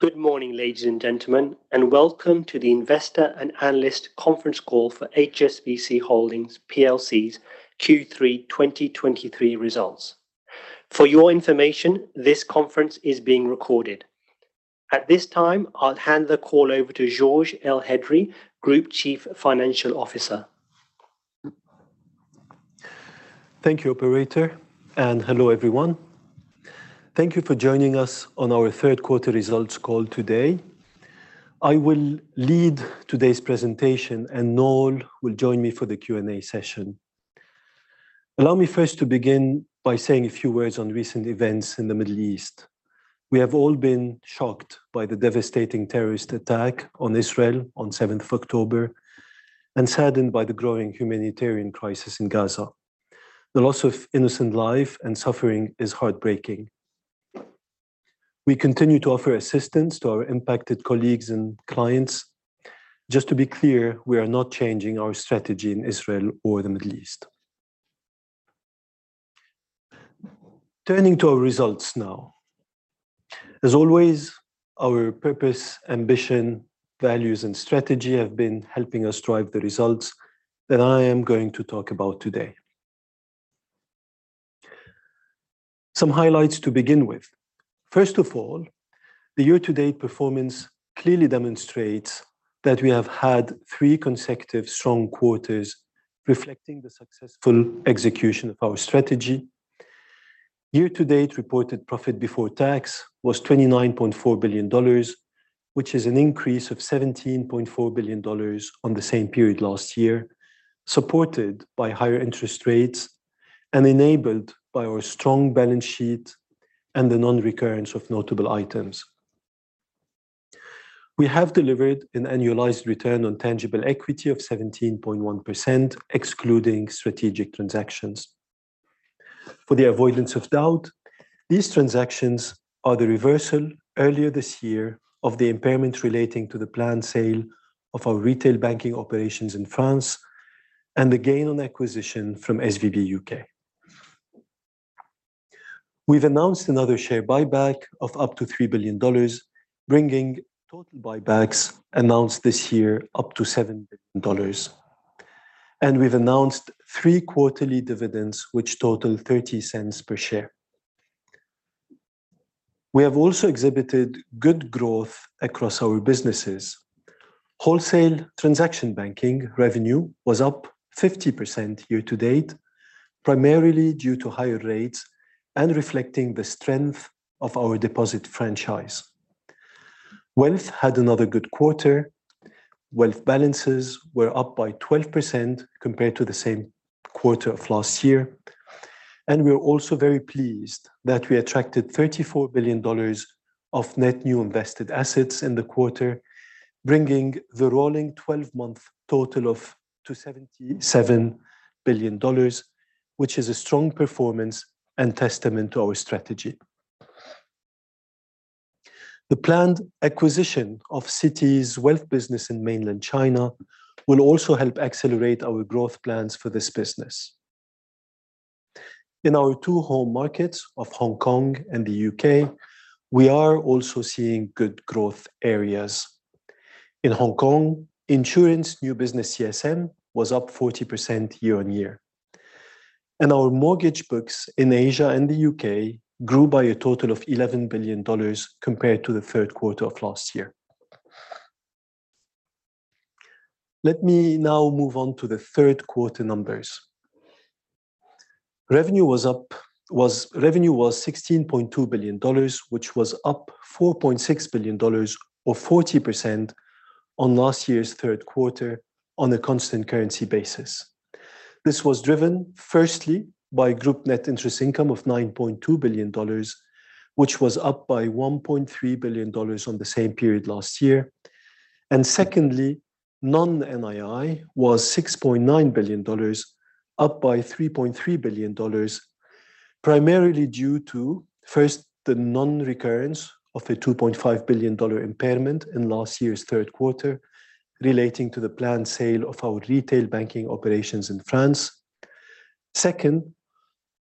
Good morning, ladies and gentlemen, and welcome to the Investor and Analyst Conference Call for HSBC Holdings plc's Q3 2023 results. For your information, this conference is being recorded. At this time, I'll hand the call over to Georges Elhedery, Group Chief Financial Officer. Thank you, operator, and hello everyone. Thank you for joining us on our Q3 results call today. I will lead today's presentation, and Noel will join me for the Q&A session. Allow me first to begin by saying a few words on recent events in the Middle East. We have all been shocked by the devastating terrorist attack on Israel on seventh of October and saddened by the growing humanitarian crisis in Gaza. The loss of innocent life and suffering is heartbreaking. We continue to offer assistance to our impacted colleagues and clients. Just to be clear, we are not changing our strategy in Israel or the Middle East. Turning to our results now. As always, our purpose, ambition, values, and strategy have been helping us drive the results that I am going to talk about today. Some highlights to begin with. First of all, the year-to-date performance clearly demonstrates that we have had three consecutive strong quarters, reflecting the successful execution of our strategy. Year-to-date reported profit before tax was $29.4 billion, which is an increase of $17.4 billion on the same period last year, supported by higher interest rates and enabled by our strong balance sheet and the non-recurrence of notable items. We have delivered an annualized return on tangible equity of 17.1%, excluding strategic transactions. For the avoidance of doubt, these transactions are the reversal earlier this year of the impairment relating to the planned sale of our retail banking operations in France and the gain on acquisition from SVB UK. We've announced another share buyback of up to $3 billion, bringing total buybacks announced this year up to $7 billion. We've announced three quarterly dividends, which total $0.30 per share. We have also exhibited good growth across our businesses. Wholesale transaction banking revenue was up 50% year-to-date, primarily due to higher rates and reflecting the strength of our deposit franchise. Wealth had another good quarter. Wealth balances were up by 12% compared to the same quarter of last year, and we are also very pleased that we attracted $34 billion of net new invested assets in the quarter, bringing the rolling 12-month total of to $77 billion, which is a strong performance and testament to our strategy. The planned acquisition of Citi's wealth business in mainland China will also help accelerate our growth plans for this business. In our two home markets of Hong Kong and the UK, we are also seeing good growth areas. In Hong Kong, insurance new business CSM was up 40% year-on-year, and our mortgage books in Asia and the UK grew by a total of $11 billion compared to the Q3 of last year. Let me now move on to the Q3 numbers. Revenue was up $16.2 billion, which was up $4.6 billion or 40% on last year's Q3 on a constant currency basis. This was driven firstly by group net interest income of $9.2 billion, which was up by $1.3 billion on the same period last year, and secondly, non-NII was $6.9 billion, up by $3.3 billion, primarily due to, first, the non-recurrence of a $2.5 billion impairment in last year's Q3 relating to the planned sale of our retail banking operations in France. Second,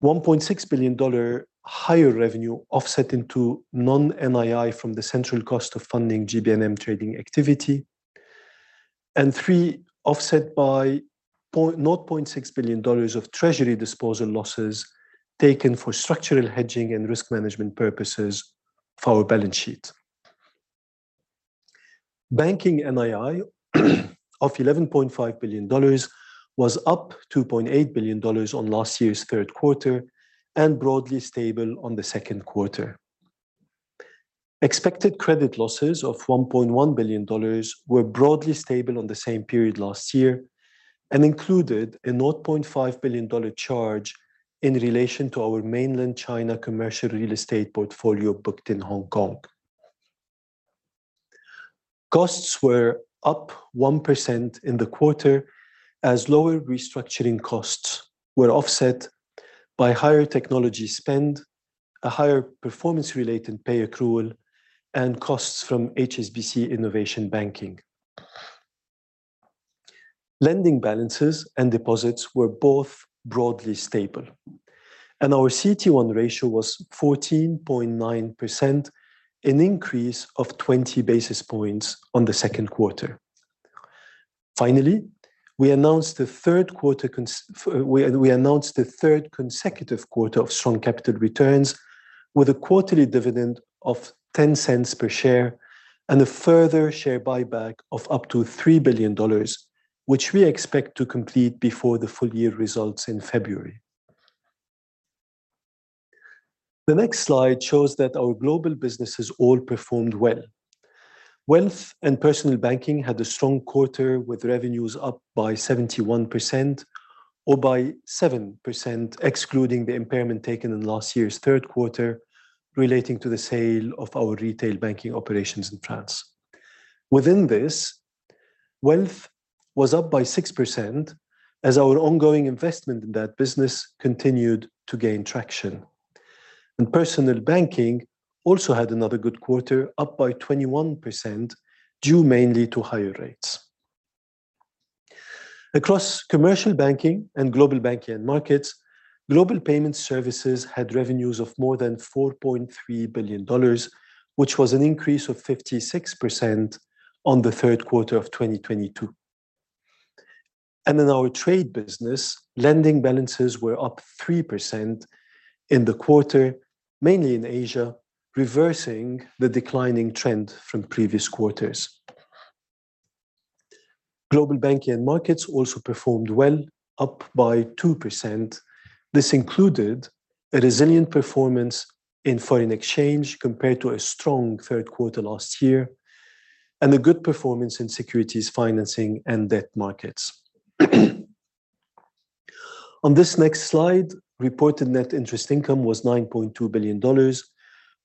$1.6 billion higher revenue offsetting to non-NII from the central cost of funding GB&M trading activity, and three, offset by $0.6 billion of treasury disposal losses taken for structural hedging and risk management purposes for our balance sheet. Banking NII of $11.5 billion was up $2.8 billion on last year's Q3 and broadly stable on the Q2. Expected credit losses of $1.1 billion were broadly stable on the same period last year and included a $0.5 billion charge in relation to our mainland China commercial real estate portfolio booked in Hong Kong. Costs were up 1% in the quarter as lower restructuring costs were offset by higher technology spend, a higher performance-related pay accrual, and costs from HSBC Innovation Banking. Lending balances and deposits were both broadly stable, and our CET1 ratio was 14.9%, an increase of 20 basis points on the Q2. Finally, we announced the third consecutive quarter of strong capital returns, with a quarterly dividend of $0.10 per share and a further share buyback of up to $3 billion, which we expect to complete before the full year results in February. The next slide shows that our global businesses all performed well. Wealth and Personal Banking had a strong quarter, with revenues up by 71% or by 7%, excluding the impairment taken in last year's Q3, relating to the sale of our retail banking operations in France. Within this, wealth was up by 6% as our ongoing investment in that business continued to gain traction, and Personal Banking also had another good quarter, up by 21%, due mainly to higher rates. Across Commercial Banking and Global Banking and Markets, Global Payment Services had revenues of more than $4.3 billion, which was an increase of 56% on the Q3 of 2022. In our trade business, lending balances were up 3% in the quarter, mainly in Asia, reversing the declining trend from previous quarters. Global Banking and Markets also performed well, up by 2%. This included a resilient performance in foreign exchange compared to a strong Q3 last year, and a good performance in securities financing and debt markets. On this next slide, reported net interest income was $9.2 billion,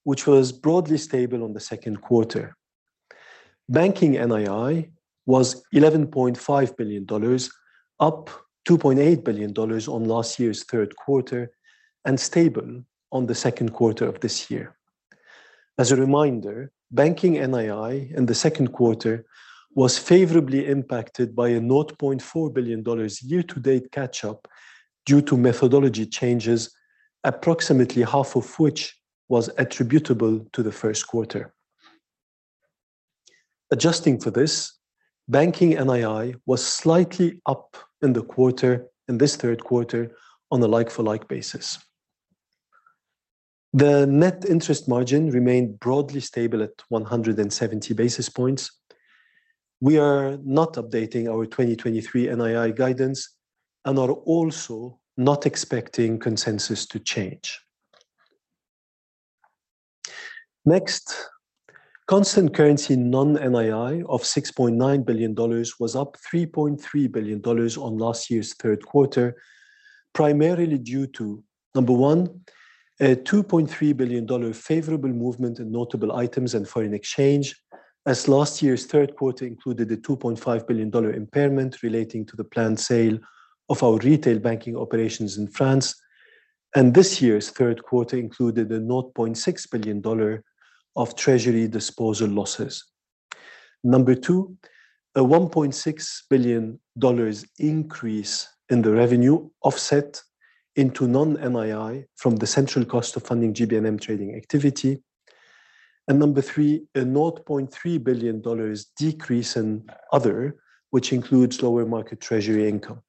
which was broadly stable on the Q2. Banking NII was $11.5 billion, up $2.8 billion on last year's Q3 and stable on the Q2 of this year. As a reminder, Banking NII in the Q2 was favorably impacted by a $0.4 billion year-to-date catch-up due to methodology changes, approximately half of which was attributable to the Q1. Adjusting for this, Banking NII was slightly up in the quarter, in this Q3, on a like-for-like basis. The net interest margin remained broadly stable at 170 basis points. We are not updating our 2023 NII guidance and are also not expecting consensus to change. Next, constant currency non-NII of $6.9 billion was up $3.3 billion on last year's Q3, primarily due to, number one, a $2.3 billion favorable movement in notable items and foreign exchange, as last year's Q3 included a $2.5 billion impairment relating to the planned sale of our retail banking operations in France, and this year's Q3 included a $0.6 billion of treasury disposal losses. Number two, a $1.6 billion increase in the revenue offset into non-NII from the central cost of funding GB&M trading activity. Number three, a $0.3 billion decrease in other, which includes lower market treasury income.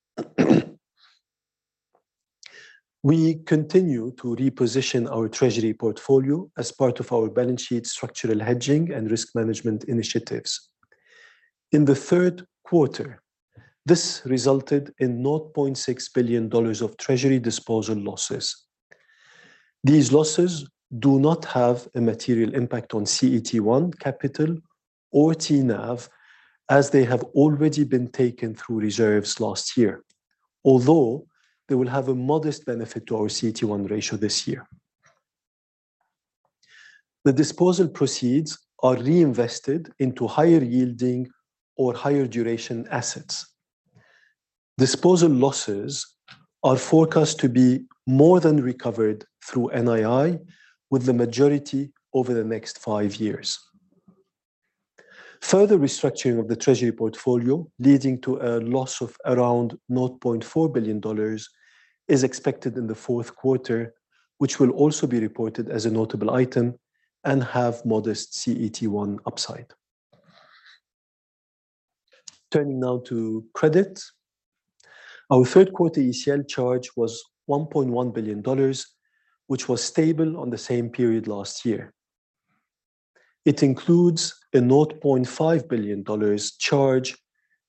We continue to reposition our treasury portfolio as part of our balance sheet structural hedging and risk management initiatives. In the Q3, this resulted in $0.6 billion of treasury disposal losses. These losses do not have a material impact on CET1 capital or TNAV, as they have already been taken through reserves last year, although they will have a modest benefit to our CET1 ratio this year. The disposal proceeds are reinvested into higher-yielding or higher-duration assets. Disposal losses are forecast to be more than recovered through NII, with the majority over the next five years. Further restructuring of the treasury portfolio, leading to a loss of around $0.4 billion, is expected in the Q4, which will also be reported as a notable item and have modest CET1 upside. Turning now to credit. Our Q3 ECL charge was $1.1 billion, which was stable on the same period last year. It includes a $0.5 billion charge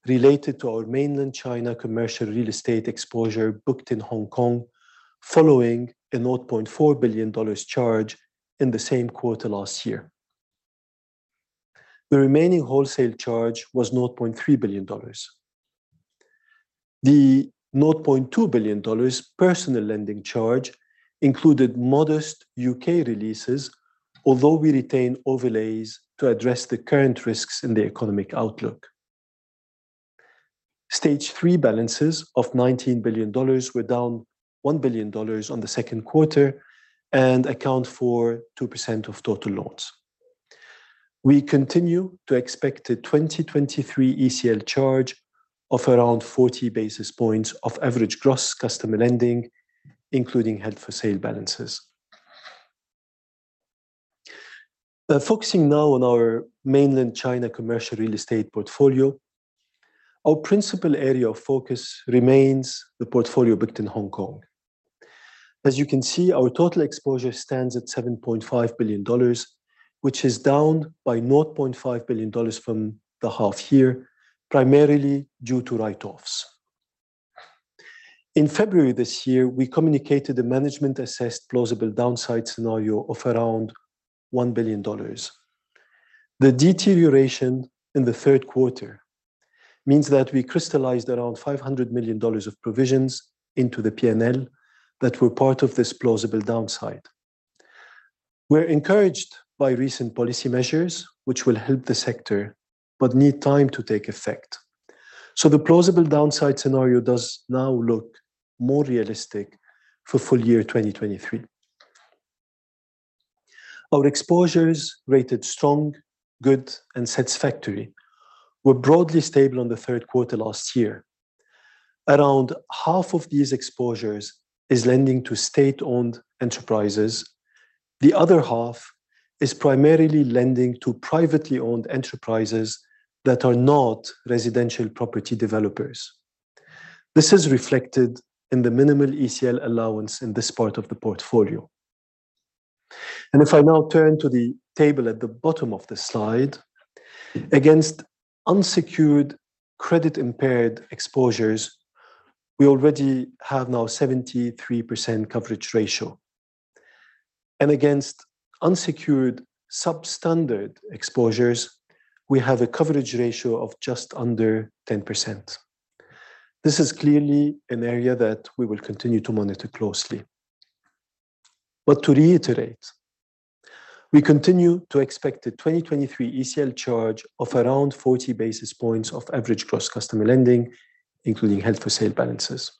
related to our Mainland China commercial real estate exposure booked in Hong Kong, following a $0.4 billion charge in the same quarter last year. The remaining wholesale charge was $0.3 billion. The $0.2 billion personal lending charge included modest UK releases, although we retain overlays to address the current risks in the economic outlook. Stage three balances of $19 billion were down $1 billion on the Q2 and account for 2% of total loans. We continue to expect a 2023 ECL charge of around 40 basis points of average gross customer lending, including held for sale balances. Now, focusing now on our Mainland China commercial real estate portfolio, our principal area of focus remains the portfolio booked in Hong Kong. As you can see, our total exposure stands at $7.5 billion, which is down by $0.5 billion from the half year, primarily due to write-offs. In February this year, we communicated a management-assessed plausible downside scenario of around $1 billion. The deterioration in the Q3 means that we crystallized around $500 million of provisions into the PNL that were part of this plausible downside. We're encouraged by recent policy measures, which will help the sector, but need time to take effect. So the plausible downside scenario does now look more realistic for full year 2023. Our exposures, rated strong, good, and satisfactory, were broadly stable on the Q3 last year. Around half of these exposures is lending to state-owned enterprises. The other half is primarily lending to privately-owned enterprises that are not residential property developers. This is reflected in the minimal ECL allowance in this part of the portfolio. And if I now turn to the table at the bottom of the slide, against unsecured credit-impaired exposures, we already have now 73% coverage ratio, and against unsecured substandard exposures, we have a coverage ratio of just under 10%. This is clearly an area that we will continue to monitor closely. To reiterate, we continue to expect a 2023 ECL charge of around 40 basis points of average gross customer lending, including held for sale balances.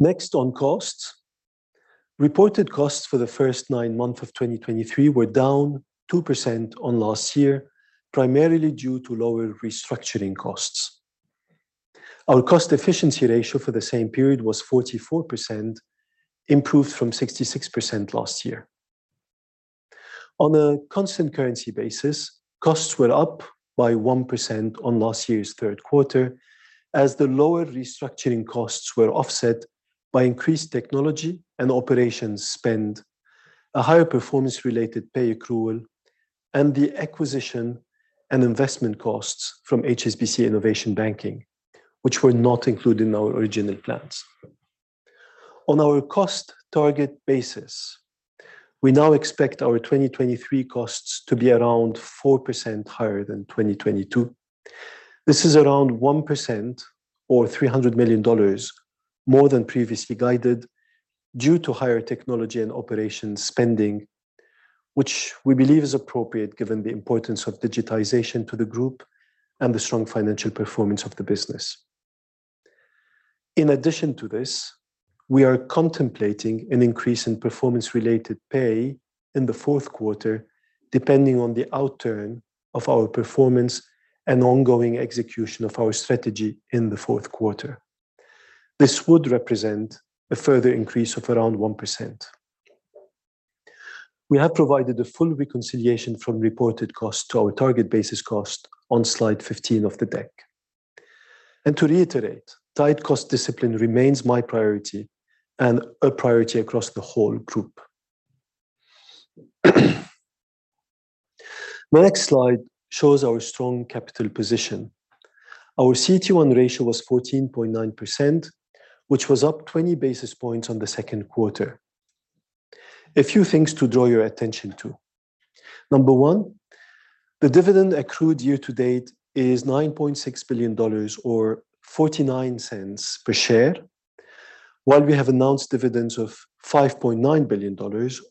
Next on costs. Reported costs for the first 9 months of 2023 were down 2% on last year, primarily due to lower restructuring costs. Our cost efficiency ratio for the same period was 44%, improved from 66% last year. On a constant currency basis, costs were up by 1% on last year's Q3, as the lower restructuring costs were offset by increased technology and operations spend, a higher performance-related pay accrual, and the acquisition and investment costs from HSBC Innovation Banking, which were not included in our original plans. On our cost target basis, we now expect our 2023 costs to be around 4% higher than 2022. This is around 1% or $300 million more than previously guided, due to higher technology and operations spending, which we believe is appropriate given the importance of digitization to the group and the strong financial performance of the business. In addition to this, we are contemplating an increase in performance-related pay in the Q4, depending on the outturn of our performance and ongoing execution of our strategy in the Q4. This would represent a further increase of around 1%. We have provided a full reconciliation from reported costs to our target basis cost on slide 15 of the deck. And to reiterate, tight cost discipline remains my priority and a priority across the whole group. My next slide shows our strong capital position. Our CET1 ratio was 14.9%, which was up 20 basis points on the Q2. A few things to draw your attention to. Number one, the dividend accrued year to date is $9.6 billion or $0.49 per share, while we have announced dividends of $5.9 billion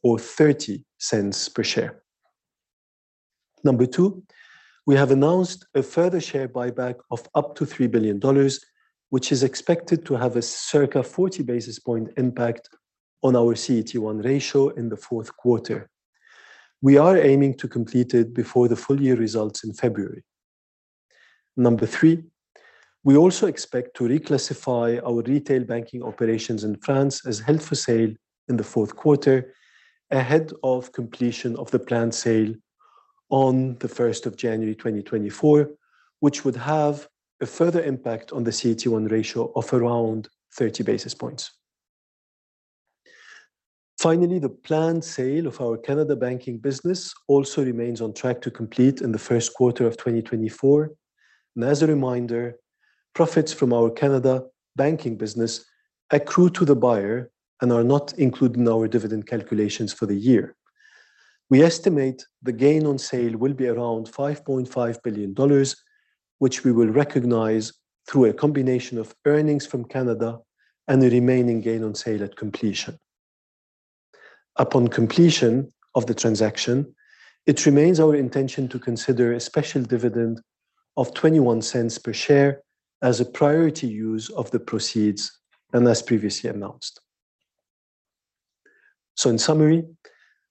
or $0.30 per share. Number two, we have announced a further share buyback of up to $3 billion, which is expected to have a circa 40 basis point impact on our CET1 ratio in the Q4. We are aiming to complete it before the full year results in February. Number three, we also expect to reclassify our retail banking operations in France as held for sale in the Q4, ahead of completion of the planned sale on the first of January 2024, which would have a further impact on the CET1 ratio of around 30 basis points. Finally, the planned sale of our Canada banking business also remains on track to complete in the Q1 of 2024. As a reminder, profits from our Canada banking business accrue to the buyer and are not included in our dividend calculations for the year. We estimate the gain on sale will be around $5.5 billion, which we will recognize through a combination of earnings from Canada and the remaining gain on sale at completion. Upon completion of the transaction, it remains our intention to consider a special dividend of $0.21 per share as a priority use of the proceeds, and as previously announced. In summary,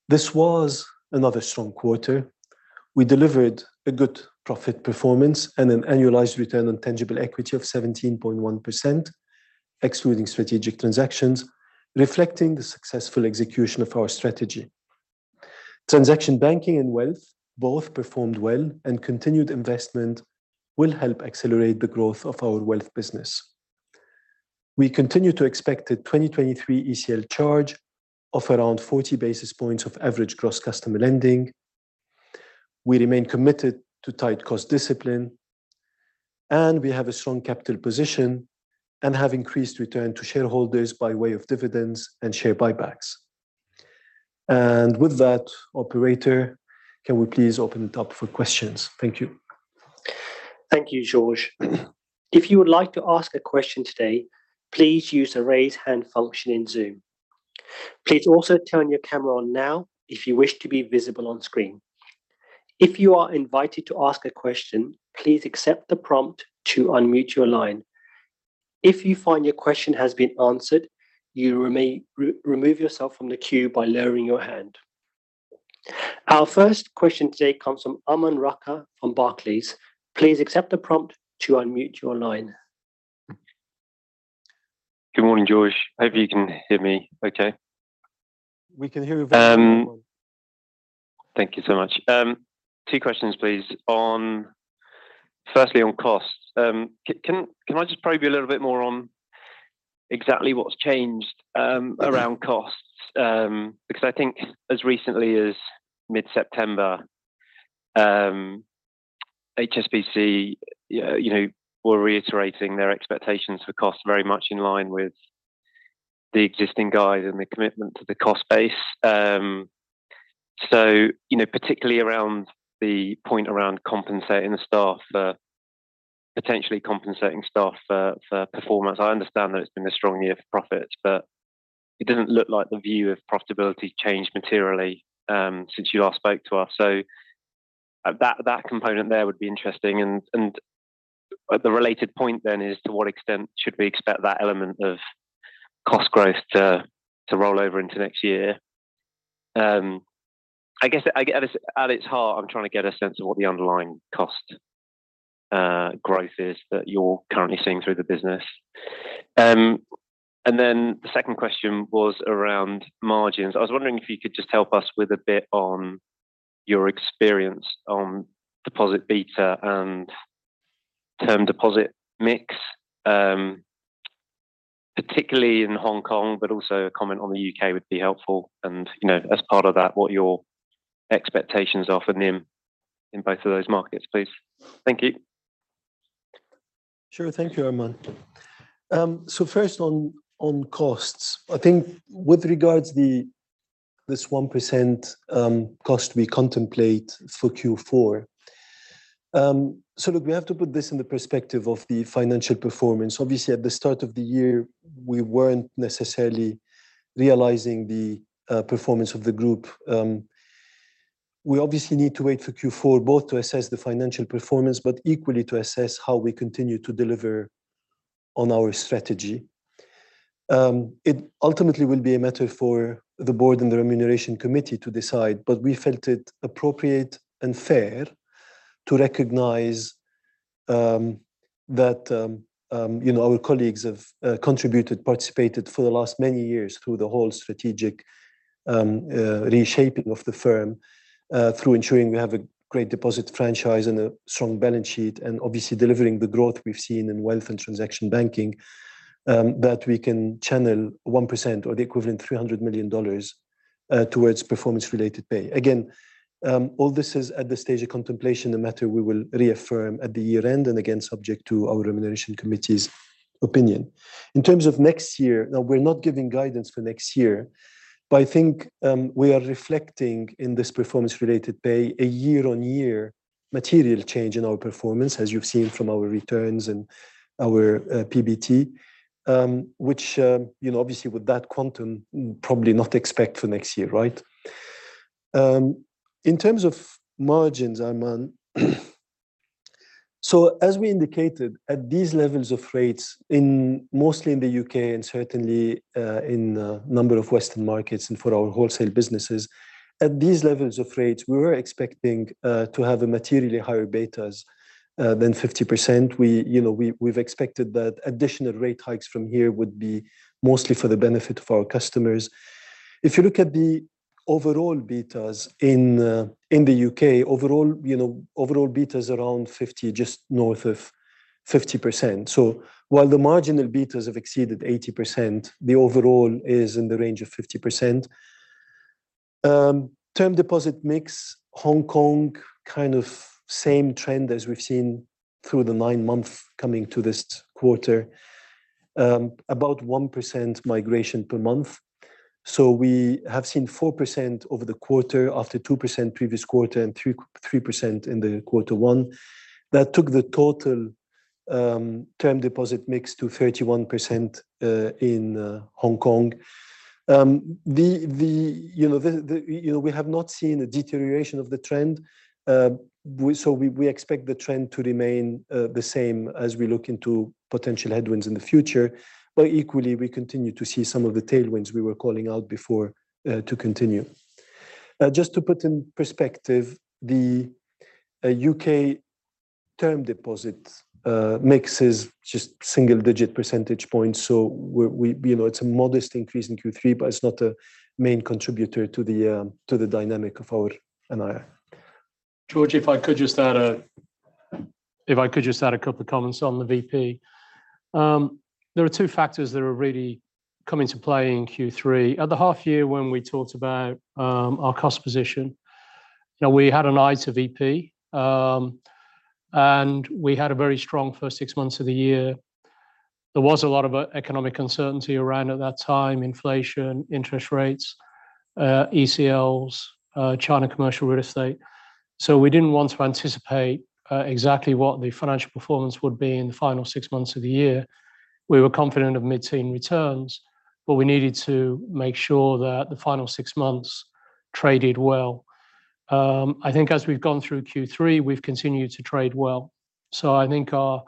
this was another strong quarter. We delivered a good profit performance and an annualized return on tangible equity of 17.1%, excluding strategic transactions, reflecting the successful execution of our strategy. Transaction banking and wealth both performed well, and continued investment will help accelerate the growth of our wealth business. We continue to expect a 2023 ECL charge of around 40 basis points of average gross customer lending. We remain committed to tight cost discipline, and we have a strong capital position and have increased return to shareholders by way of dividends and share buybacks. And with that, operator, can we please open it up for questions? Thank you. Thank you, Georges. If you would like to ask a question today, please use the Raise Hand function in Zoom. Please also turn your camera on now if you wish to be visible on screen. If you are invited to ask a question, please accept the prompt to unmute your line. If you find your question has been answered, remove yourself from the queue by lowering your hand. Our first question today comes from Aman Rakkar from Barclays. Please accept the prompt to unmute your line. Good morning, Georges. Hope you can hear me okay. We can hear you very well. Thank you so much. Two questions, please. On, firstly, on costs. Can I just probe you a little bit more on exactly what's changed, around costs? Mm-hmm. Because I think as recently as mid-September, you know, HSBC, you know, were reiterating their expectations for costs very much in line with the existing guide and the commitment to the cost base. You know, particularly around the point around compensating the staff for potentially compensating staff for, for performance, I understand that it's been a strong year for profits, but it doesn't look like the view of profitability changed materially since you last spoke to us. That component there would be interesting. The related point then is: to what extent should we expect that element of cost growth to roll over into next year? I guess at its heart, I'm trying to get a sense of what the underlying cost growth is that you're currently seeing through the business. And then the second question was around margins. I was wondering if you could just help us with a bit on your experience on deposit beta and term deposit mix, particularly in Hong Kong, but also a comment on the UK would be helpful. And, you know, as part of that, what your expectations are for NIM in both of those markets, please. Thank you. Sure. Thank you, Aman. First on costs. I think with regards to this 1% cost we contemplate for Q4, look, we have to put this in the perspective of the financial performance. Obviously, at the start of the year, we weren't necessarily realizing the performance of the group. We obviously need to wait for Q4, both to assess the financial performance, but equally to assess how we continue to deliver on our strategy. It ultimately will be a matter for the board and the Remuneration Committee to decide, but we felt it appropriate and fair to recognize that you know, our colleagues have contributed, participated for the last many years through the whole strategic reshaping of the firm, through ensuring we have a great deposit franchise and a strong balance sheet, and obviously delivering the growth we've seen in wealth and transaction banking, that we can channel 1% or the equivalent $300 million towards performance-related pay. Again, all this is at the stage of contemplation, a matter we will reaffirm at the year-end, and again, subject to our Remuneration Committee's opinion. In terms of next year, we're not giving guidance for next year, but I think we are reflecting in this performance-related pay a year-on-year material change in our performance, as you've seen from our returns and our PBT, which, you know, obviously with that quantum, probably not expect for next year, right? In terms of margins, Aman, as we indicated, at these levels of rates mostly in the UK and certainly in a number of Western markets and for our wholesale businesses, at these levels of rates, we were expecting to have materially higher betas than 50%. We, you know, we've expected that additional rate hikes from here would be mostly for the benefit of our customers. If you look at the overall betas in the UK, overall, you know, overall beta is around 50, just north of 50%. So while the marginal betas have exceeded 80%, the overall is in the range of 50%. Term deposit mix, Hong Kong, kind of same trend as we've seen through the nine months coming to this quarter, about 1% migration per month. So we have seen 4% over the quarter, after 2% previous quarter and 3% in the Q1. That took the total term deposit mix to 31% in Hong Kong. The, you know, the, we have not seen a deterioration of the trend. We, so we expect the trend to remain the same as we look into potential headwinds in the future. But equally, we continue to see some of the tailwinds we were calling out before, to continue. Just to put in perspective, the UK term deposit mix is just single-digit percentage points, so we, you know, it's a modest increase in Q3, but it's not a main contributor to the dynamic of our NII. George, if I could just add a couple of comments on the VP. There are two factors that are really come into play in Q3. At the half year, when we talked about our cost position, you know, we had an eye to VP, and we had a very strong first six months of the year. There was a lot of economic uncertainty around at that time, inflation, interest rates, ECLs, China commercial real estate. So we didn't want to anticipate exactly what the financial performance would be in the final six months of the year. We were confident of mid-teen returns, but we needed to make sure that the final six months traded well. I think as we've gone through Q3, we've continued to trade well. So I think our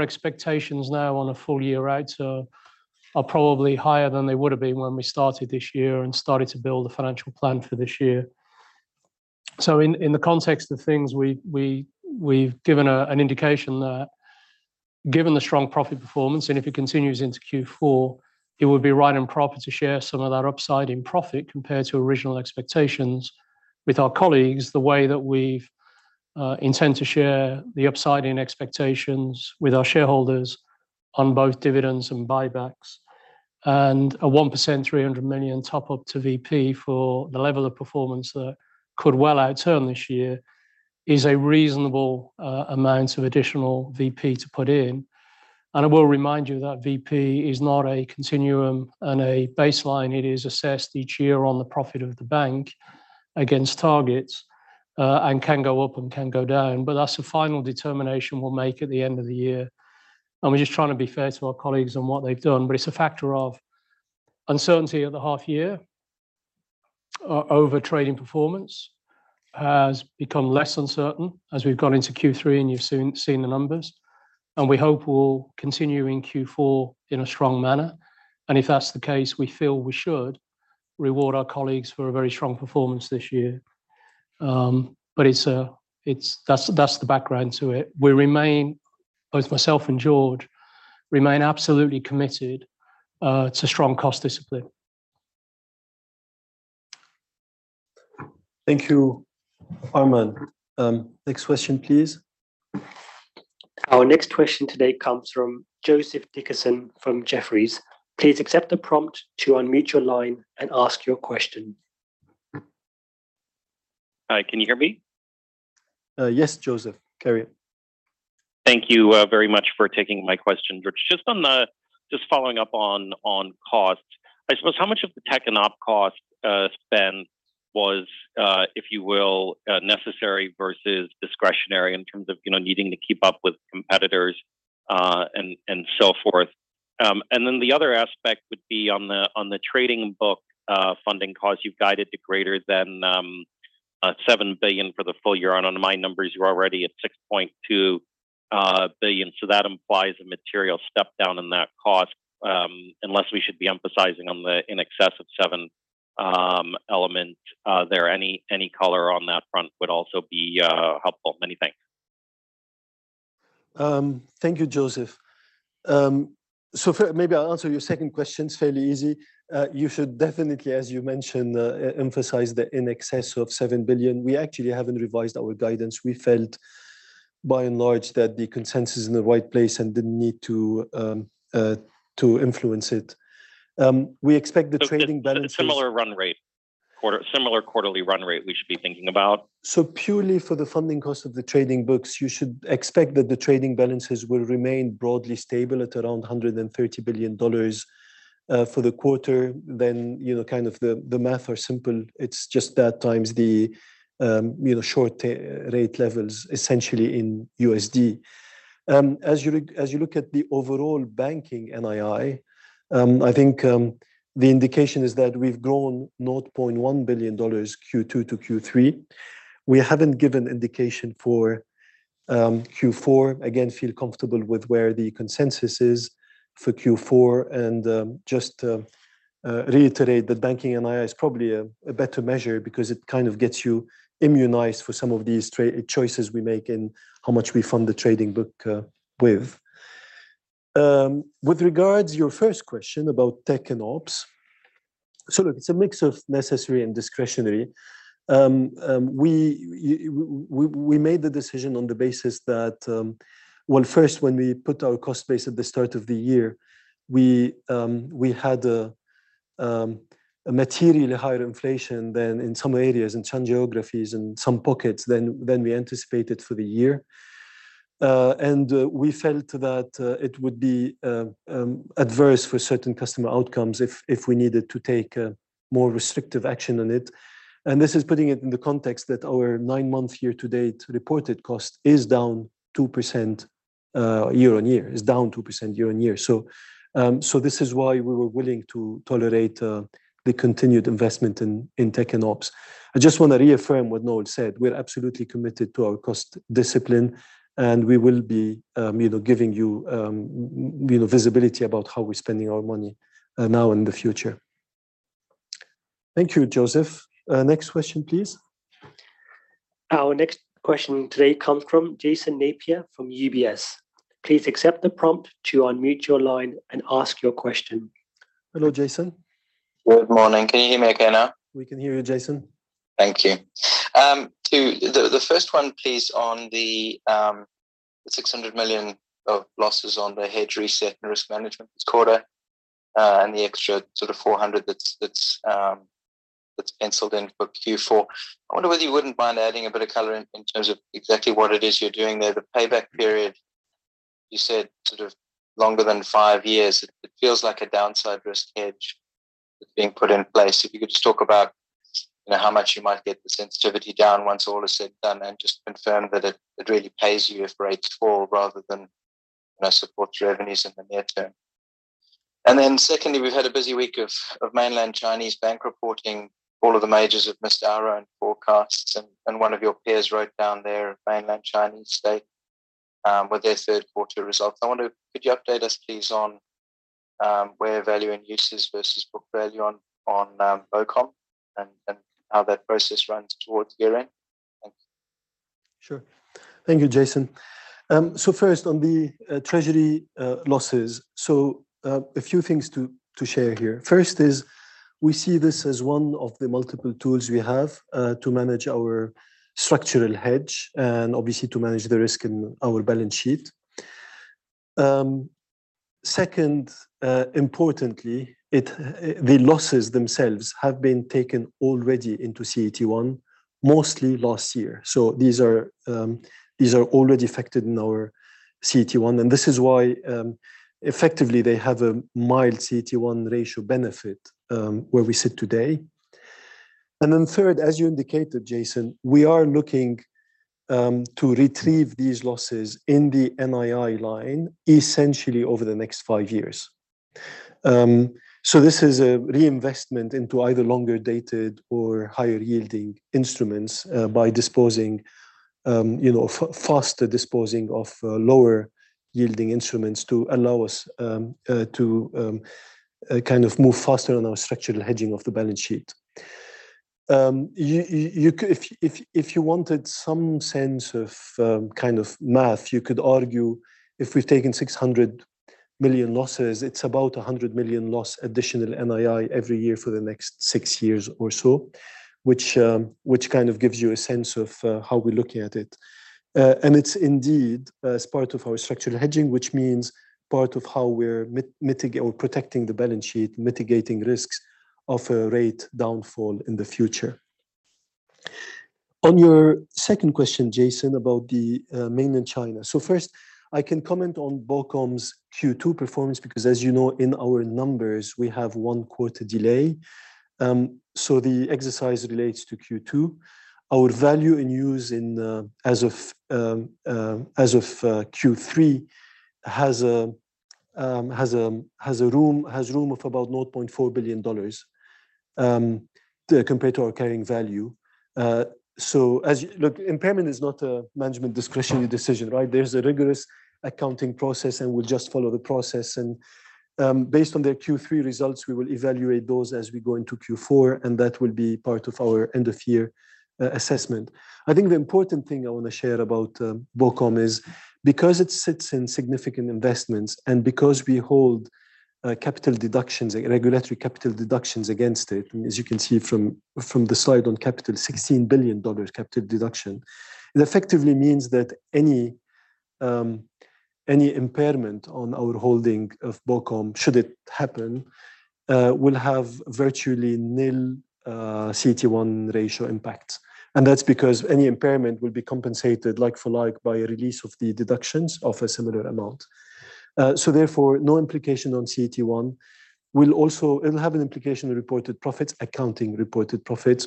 expectations now on a full year out are probably higher than they would have been when we started this year and started to build a financial plan for this year. So in the context of things, we we've given an indication that given the strong profit performance, and if it continues into Q4, it would be right and proper to share some of that upside in profit compared to original expectations with our colleagues, the way that we intend to share the upside in expectations with our shareholders on both dividends and buybacks. And a 1%, $300 million top up to VP for the level of performance that could well outturn this year is a reasonable amount of additional VP to put in. And I will remind you that VP is not a continuum and a baseline. It is assessed each year on the profit of the bank against targets, and can go up and can go down, but that's a final determination we'll make at the end of the year. We're just trying to be fair to our colleagues on what they've done, but it's a factor of uncertainty at the half year, over trading performance has become less uncertain as we've gone into Q3, and you've seen the numbers, and we hope will continue in Q4 in a strong manner. If that's the case, we feel we should reward our colleagues for a very strong performance this year. But it's, that's the background to it. We remain, both myself and George, absolutely committed to strong cost discipline. Thank you, Armand. Next question, please. Our next question today comes from Joseph Dickerson from Jefferies. Please accept the prompt to unmute your line and ask your question. Hi, can you hear me? Yes, Joseph. Carry on. Thank you, very much for taking my question, George. Just on the, just following up on, on cost, I suppose how much of the tech and op cost spend was, if you will, necessary versus discretionary in terms of, you know, needing to keep up with competitors, and, and so forth? And then the other aspect would be on the, on the trading book funding costs you've guided to greater than $7 billion for the full year on. On my numbers, you're already at $6.2 billion. So that implies a material step down in that cost, unless we should be emphasizing on the in excess of seven element. Are there any, any color on that front would also be helpful. Many thanks. Thank you, Joseph. So maybe I'll answer your second question. It's fairly easy. You should definitely, as you mentioned, emphasize the in excess of $7 billion. We actually haven't revised our guidance. We felt by and large that the consensus is in the right place and didn't need to to influence it. We expect the trading balances. Similar run rate, quarter, similar quarterly run rate we should be thinking about? So purely for the funding cost of the trading books, you should expect that the trading balances will remain broadly stable at around $130 billion for the quarter. Then, you know, kind of the math are simple. It's just that times the short-term rate levels, essentially in USD. As you look at the overall Banking NII, I think the indication is that we've grown $0.1 billion Q2 to Q3. We haven't given indication for Q4. Again, feel comfortable with where the consensus is for Q4 and just reiterate that Banking NII is probably a better measure because it kind of gets you immunized for some of these trading choices we make and how much we fund the trading book with. With regards your first question about tech and ops, so look, it's a mix of necessary and discretionary. We made the decision on the basis that. Well, first, when we put our cost base at the start of the year, we had a materially higher inflation than in some areas, in some geographies and some pockets than we anticipated for the year. And we felt that it would be adverse for certain customer outcomes if we needed to take a more restrictive action on it. And this is putting it in the context that our nine-month year-to-date reported cost is down 2% year on year. It's down 2% year on year. So, this is why we were willing to tolerate the continued investment in tech and ops. I just want to reaffirm what Noel said. We're absolutely committed to our cost discipline, and we will be, you know, giving you, you know, visibility about how we're spending our money now and the future. Thank you, Joseph. Next question, please. Our next question today comes from Jason Napier from UBS. Please accept the prompt to unmute your line and ask your question. Hello, Jason. Good morning. Can you hear me okay now? We can hear you, Jason. Thank you. To the first one, please, on the $600 million of losses on the hedge reset and risk management this quarter, and the extra sort of $400 million that's penciled in for Q4. I wonder whether you wouldn't mind adding a bit of color in terms of exactly what it is you're doing there. The payback period, you said sort of longer than five years. It feels like a downside risk hedge that's being put in place. If you could just talk about, you know, how much you might get the sensitivity down once all is said and done, and just confirm that it really pays you if rates fall rather than, you know, support your revenues in the near term. And then secondly, we've had a busy week of mainland Chinese bank reporting. All of the majors have missed our own forecasts, and one of your peers wrote down their mainland Chinese state with their Q3 results. I wonder, could you update us, please, on where value in use versus book value on BoCom and how that process runs towards year-end? Thanks. Sure. Thank you, Jason. So first on the treasury losses. So a few things to share here. First is we see this as one of the multiple tools we have to manage our structural hedge and obviously to manage the risk in our balance sheet. Second, importantly, the losses themselves have been taken already into CET1, mostly last year. So these are already affected in our CET1, and this is why effectively they have a mild CET1 ratio benefit where we sit today. And then third, as you indicated, Jason, we are looking to retrieve these losses in the NII line, essentially over the next five years. This is a reinvestment into either longer-dated or higher-yielding instruments, by disposing, you know, faster disposing of lower-yielding instruments to allow us, you know, to kind of move faster on our structural hedging of the balance sheet. You can, if you wanted some sense of kind of math, you could argue if we've taken $600 million losses, it's about $100 million loss, additional NII every year for the next six years or so, which kind of gives you a sense of how we're looking at it. It's indeed, as part of our structural hedging, which means part of how we're mitigating or protecting the balance sheet, mitigating risks of a rate downfall in the future. On your second question, Jason, about the mainland China. So first, I can comment on BoCom's Q2 performance because, as you know, in our numbers, we have one quarter delay. So the exercise relates to Q2. Our value in use as of Q3 has room of about $0.4 billion, compared to our carrying value. So as you, look, impairment is not a management discretionary decision, right? There's a rigorous accounting process, and we just follow the process. And, based on their Q3 results, we will evaluate those as we go into Q4, and that will be part of our end-of-year assessment. I think the important thing I want to share about BoCom is because it sits in significant investments and because we hold capital deductions, regulatory capital deductions against it, as you can see from the side on capital, $16 billion capital deduction, it effectively means that any impairment on our holding of BoCom, should it happen, will have virtually nil CET1 ratio impact. And that's because any impairment will be compensated like for like by a release of the deductions of a similar amount. So therefore, no implication on CET1. We'll also. It'll have an implication on reported profits, accounting reported profits,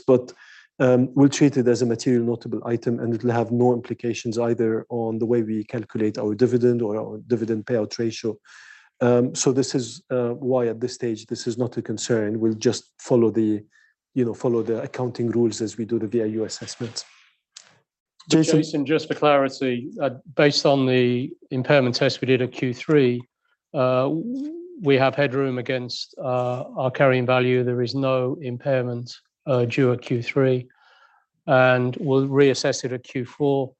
but we'll treat it as a material notable item, and it'll have no implications either on the way we calculate our dividend or our dividend payout ratio. So this is why at this stage this is not a concern. We'll just, you know, follow the accounting rules as we do the VIU assessment. Jason. Jason, just for clarity, based on the impairment test we did at Q3, we have headroom against our carrying value. There is no impairment due at Q3, and we'll reassess it at Q4.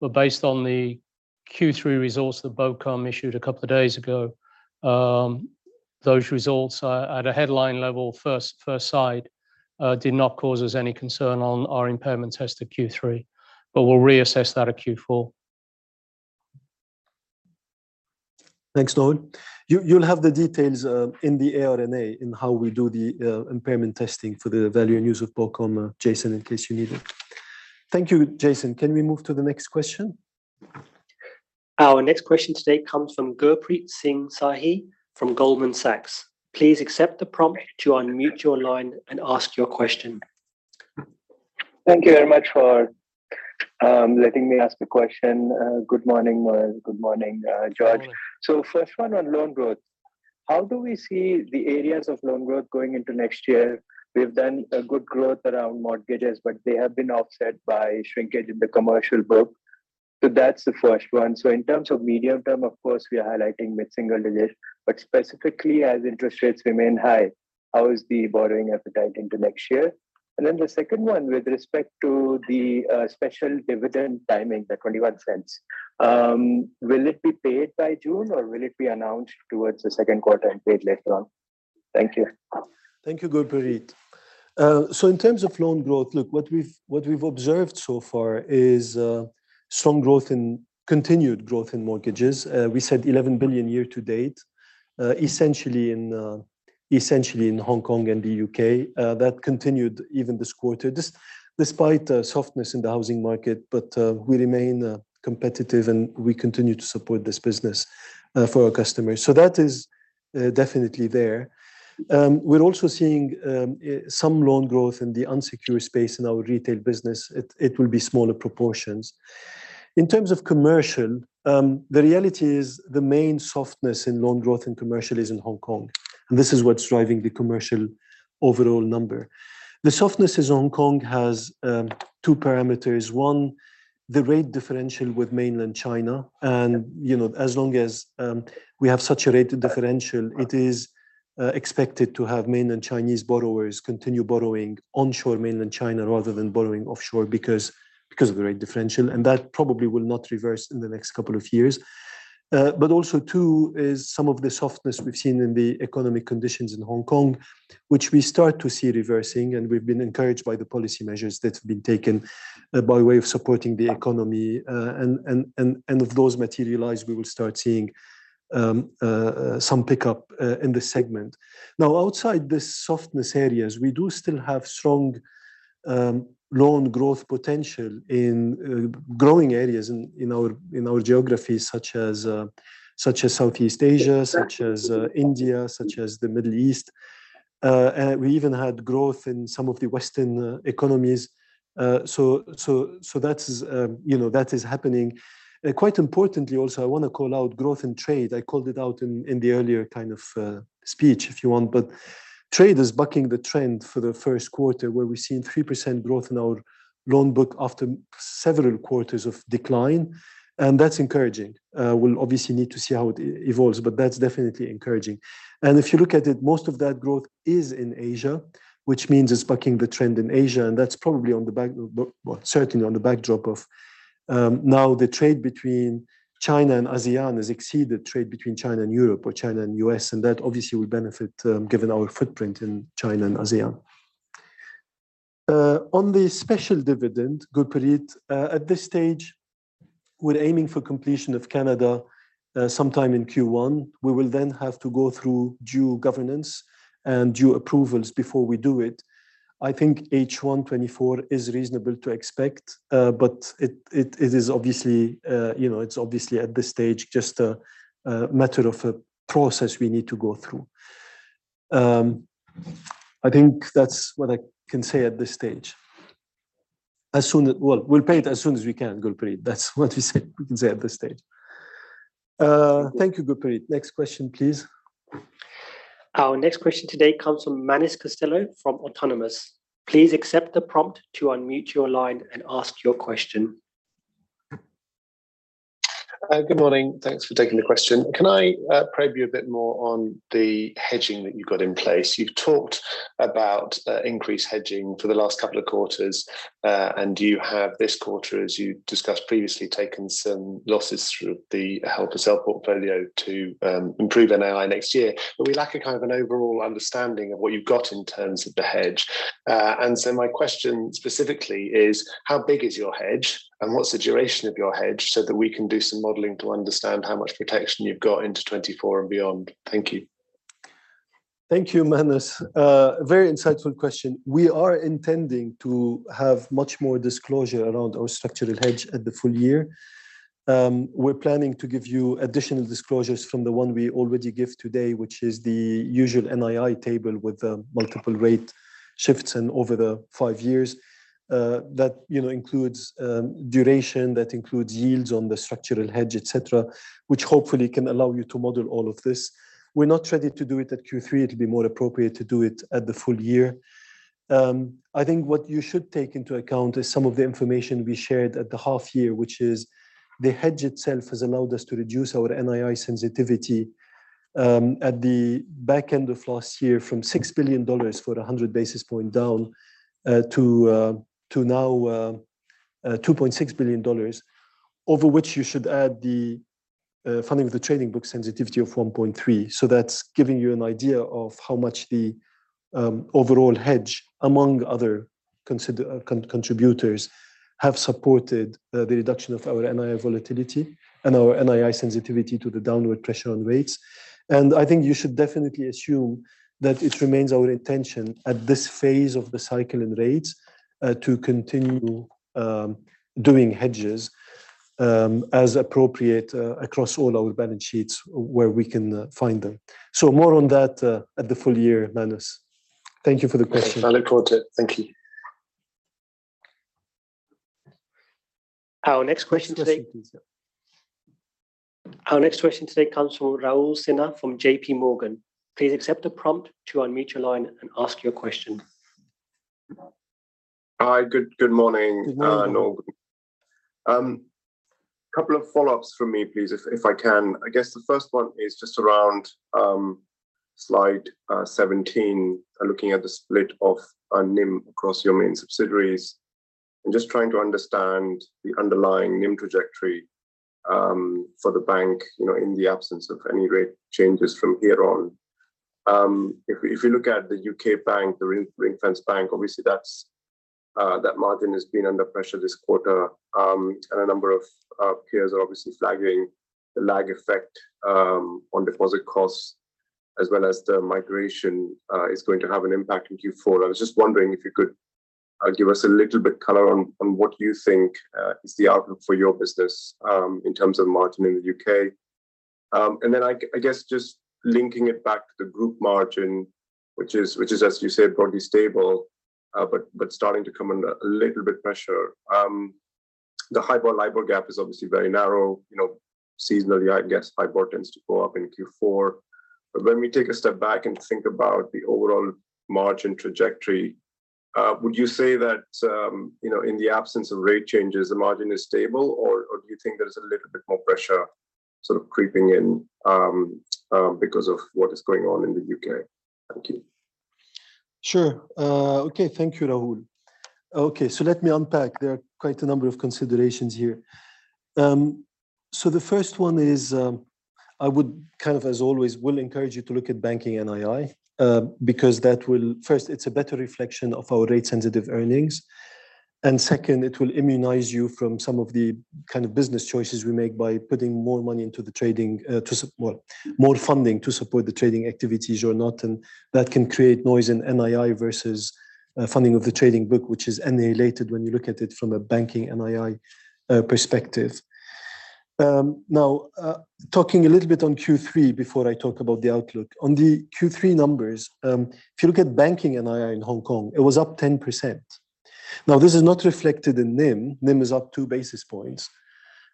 But based on the Q3 results that BoCom issued a couple of days ago, those results are at a headline level, first, per side, did not cause us any concern on our impairment test at Q3, but we'll reassess that at Q4. Thanks, Noel. You'll have the details in the ARNA in how we do the impairment testing for the value in use of BoCom, Jason, in case you need it. Thank you, Jason. Can we move to the next question? Our next question today comes from Gurpreet Singh Sahi from Goldman Sachs. Please accept the prompt to unmute your line and ask your question. Thank you very much for letting me ask a question. Good morning, Noel. Good morning, George. So first one on loan growth, how do we see the areas of loan growth going into next year? We've done a good growth around mortgages, but they have been offset by shrinkage in the commercial book. So that's the first one. So in terms of medium term, of course, we are highlighting mid-single digits, but specifically, as interest rates remain high, how is the borrowing appetite into next year? And then the second one, with respect to the special dividend timing, the $0.21, will it be paid by June, or will it be announced towards the Q2 and paid later on? Thank you. Thank you, Gurpreet. So in terms of loan growth, look, what we've observed so far is strong growth in, continued growth in mortgages. We said $11 billion year to date, essentially in Hong Kong and the UK. That continued even this quarter, despite a softness in the housing market. But we remain competitive, and we continue to support this business for our customers. So that is definitely there. We're also seeing some loan growth in the unsecured space in our retail business. It will be smaller proportions. In terms of commercial, the reality is the main softness in loan growth in commercial is in Hong Kong, and this is what's driving the commercial overall number. The softness in Hong Kong has two parameters. One, the rate differential with mainland China. You know, as long as we have such a rate differential. It is expected to have mainland Chinese borrowers continue borrowing onshore mainland China rather than borrowing offshore because, because of the rate differential, and that probably will not reverse in the next couple of years. But also, two, is some of the softness we've seen in the economic conditions in Hong Kong, which we start to see reversing, and we've been encouraged by the policy measures that have been taken by way of supporting the economy. And if those materialize, we will start seeing some pickup in this segment. Now, outside the softness areas, we do still have strong loan growth potential in growing areas in our geographies, such as Southeast Asia, such as India, such as the Middle East. And we even had growth in some of the Western economies. So, that is, you know, that is happening. Quite importantly, also, I want to call out growth and trade. I called it out in, in the earlier kind of, speech, if you want, but trade is bucking the trend for the Q1, where we've seen 3% growth in our loan book after several quarters of decline, and that's encouraging. We'll obviously need to see how it evolves, but that's definitely encouraging. And if you look at it, most of that growth is in Asia, which means it's bucking the trend in Asia, and that's probably on the back. Well, certainly on the backdrop of, now the trade between China and ASEAN has exceeded trade between China and Europe or China and the US, and that obviously will benefit, given our footprint in China and ASEAN. On the special dividend, Gurpreet, at this stage, we're aiming for completion of Canada sometime in Q1. We will then have to go through due governance and due approvals before we do it. I think H1 2024 is reasonable to expect, but it is obviously, you know, it's obviously at this stage, just a matter of a process we need to go through. I think that's what I can say at this stage. As soon as, well, we'll pay it as soon as we can, Gurpreet. That's what we say, we can say at this stage. Thank you, Gurpreet. Next question, please. Our next question today comes from Manus Costello from Autonomous. Please accept the prompt to unmute your line and ask your question. Good morning. Thanks for taking the question. Can I probe you a bit more on the hedging that you've got in place? You've talked about increased hedging for the last couple of quarters, and you have this quarter, as you discussed previously, taken some losses through the held-to-sell portfolio to improve NII next year. But we lack a kind of an overall understanding of what you've got in terms of the hedge. And so my question specifically is: How big is your hedge, and what's the duration of your hedge so that we can do some modeling to understand how much protection you've got into 2024 and beyond? Thank you. Thank you, Manus. A very insightful question. We are intending to have much more disclosure around our structural hedge at the full year. We're planning to give you additional disclosures from the one we already give today, which is the usual NII table with multiple rate shifts and over the five years. That, you know, includes duration, that includes yields on the structural hedge, et cetera, which hopefully can allow you to model all of this. We're not ready to do it at Q3. It'll be more appropriate to do it at the full year. I think what you should take into account is some of the information we shared at the half year, which is the hedge itself has allowed us to reduce our NII sensitivity, at the back end of last year, from $6 billion for a 100 basis points down, to now, $2.6 billion, over which you should add the funding of the trading book sensitivity of $1.3 billion. So that's giving you an idea of how much the overall hedge, among other contributors, have supported the reduction of our NII volatility and our NII sensitivity to the downward pressure on rates. And I think you should definitely assume that it remains our intention at this phase of the cycle in rates, to continue doing hedges. As appropriate, across all our balance sheets where we can find them. So more on that at the full year, Manus. Thank you for the question. I look forward to it. Thank you. Our next question today comes from Raul Sinha from JP Morgan. Please accept the prompt to unmute your line and ask your question. Hi, good, good morning, Noel. Good morning. Couple of follow-ups from me, please, if I can. I guess the first one is just around slide 17, looking at the split of NIM across your main subsidiaries, and just trying to understand the underlying NIM trajectory for the bank, you know, in the absence of any rate changes from here on. If we look at the UK bank, the Ringfence bank, obviously that's that margin has been under pressure this quarter. And a number of peers are obviously flagging the lag effect on deposit costs, as well as the migration is going to have an impact in Q4. I was just wondering if you could give us a little bit color on what you think is the outlook for your business in terms of margin in the UK. And then I guess just linking it back to the group margin, which is, as you said, broadly stable, but starting to come under a little bit pressure. The HIBOR-LIBOR gap is obviously very narrow. You know, seasonally, I guess HIBOR tends to go up in Q4. But when we take a step back and think about the overall margin trajectory, would you say that, you know, in the absence of rate changes, the margin is stable, or do you think there is a little bit more pressure sort of creeping in, because of what is going on in the UK? Thank you. Sure. Okay. Thank you, Raul. Okay, so let me unpack. There are quite a number of considerations here. So the first one is, I would kind of, as always, will encourage you to look at banking NII, because that will, first, it's a better reflection of our rate-sensitive earnings, and second, it will immunize you from some of the kind of business choices we make by putting more money into the trading to support, more funding to support the trading activities or not, and that can create noise in NII versus, funding of the trading book, which is annihilated when you look at it from a banking NII, perspective. Now, talking a little bit on Q3 before I talk about the outlook. On the Q3 numbers, if you look at banking NII in Hong Kong, it was up 10%. Now, this is not reflected in NIM. NIM is up two basis points,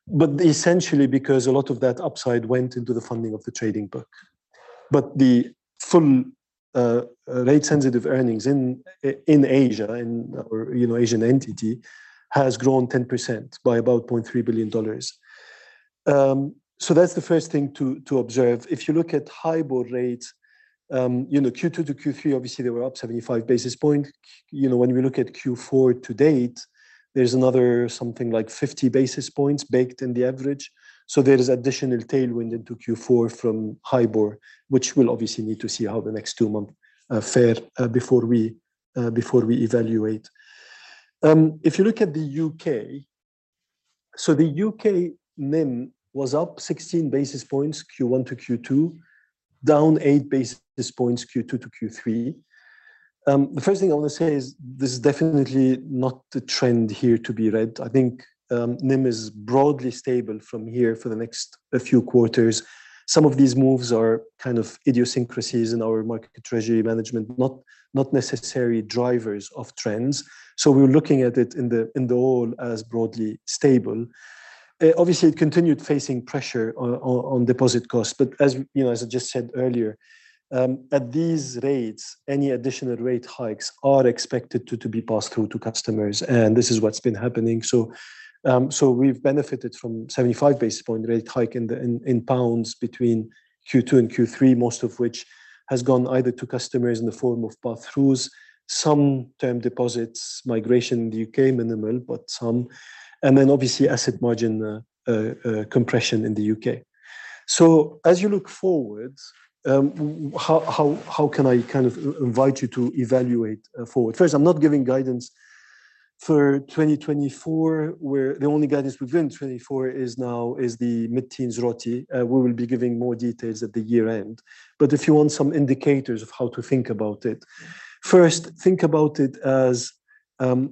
but essentially because a lot of that upside went into the funding of the trading book. But the full, rate-sensitive earnings in, in Asia and, or, you know, Asian entity, has grown 10% by about $0.3 billion. So that's the first thing to observe. If you look at HIBOR rates, you know, Q2 to Q3, obviously, they were up 75 basis points. You know, when we look at Q4 to date, there's another something like 50 basis points baked in the average. So there is additional tailwind into Q4 from HIBOR, which we'll obviously need to see how the next two month fare, before we evaluate. If you look at the UK, so the UK NIM was up 16 basis points, Q1 to Q2, down 8 basis points, Q2 to Q3. The first thing I want to say is this is definitely not the trend here to be read. I think, NIM is broadly stable from here for the next a few quarters. Some of these moves are kind of idiosyncrasies in our market treasury management, not, not necessarily drivers of trends. So we're looking at it in the, in the whole as broadly stable. Obviously, it continued facing pressure on, on, on deposit costs, but as you know, as I just said earlier, at these rates, any additional rate hikes are expected to, to be passed through to customers, and this is what's been happening. So, we've benefited from 75 basis point rate hike in the pounds between Q2 and Q3, most of which has gone either to customers in the form of pass-throughs, some term deposits, migration in the UK, minimal, but some, and then obviously, asset margin compression in the UK. So as you look forward, how can I kind of invite you to evaluate forward? First, I'm not giving guidance for 2024, where the only guidance for 2024 is now is the mid-teens RoTE. We will be giving more details at the year-end. But if you want some indicators of how to think about it, first, think about it as,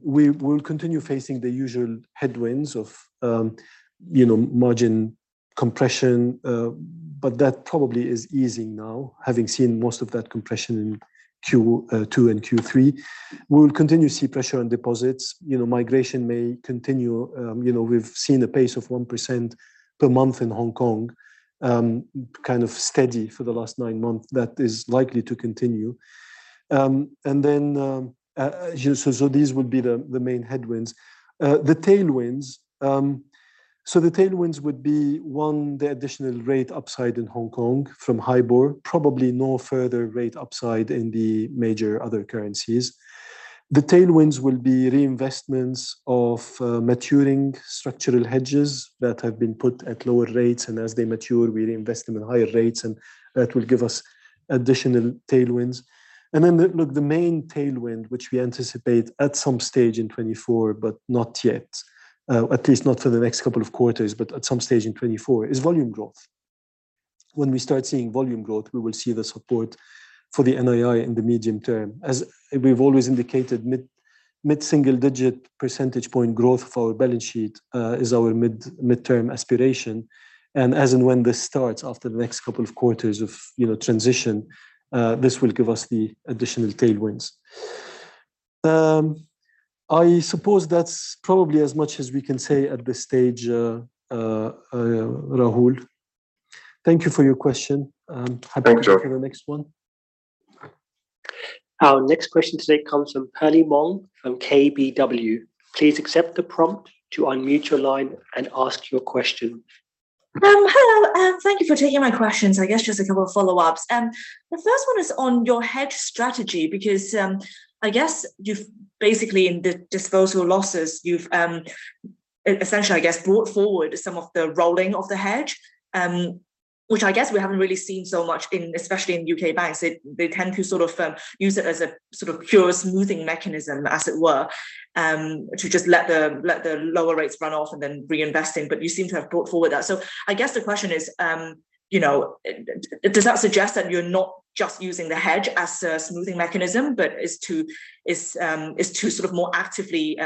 we will continue facing the usual headwinds of, you know, margin compression, but that probably is easing now, having seen most of that compression in Q2 and Q3. We will continue to see pressure on deposits. You know, migration may continue. You know, we've seen a pace of 1% per month in Hong Kong, kind of steady for the last nine months. That is likely to continue. And then, so, so these would be the main headwinds. The tailwinds. So the tailwinds would be, one, the additional rate upside in Hong Kong from HIBOR, probably no further rate upside in the major other currencies. The tailwinds will be reinvestments of maturing structural hedges that have been put at lower rates, and as they mature, we reinvest them in higher rates, and that will give us additional tailwinds. Then the, look, the main tailwind, which we anticipate at some stage in 2024, but not yet, at least not for the next couple of quarters, but at some stage in 2024, is volume growth. When we start seeing volume growth, we will see the support for the NII in the medium term. As we've always indicated, mid, mid-single-digit percentage point growth for our balance sheet is our mid, midterm aspiration, and as and when this starts, after the next couple of quarters of, you know, transition, this will give us the additional tailwinds. I suppose that's probably as much as we can say at this stage, Raul. Thank you for your question, and. Thanks, George. Happy to take the next one. Our next question today comes from Perlie Mong from KBW. Please accept the prompt to unmute your line and ask your question. Hello, and thank you for taking my questions. I guess just a couple of follow-ups, and the first one is on your hedge strategy because, I guess you've basically, in the disposal losses, you've essentially, I guess, brought forward some of the rolling of the hedge, which I guess we haven't really seen so much in, especially in UK banks. They, they tend to sort of use it as a sort of pure smoothing mechanism, as it were, to just let the, let the lower rates run off and then reinvesting, but you seem to have brought forward that. So I guess the question is, you know, does that suggest that you're not just using the hedge as a smoothing mechanism, but to sort of more actively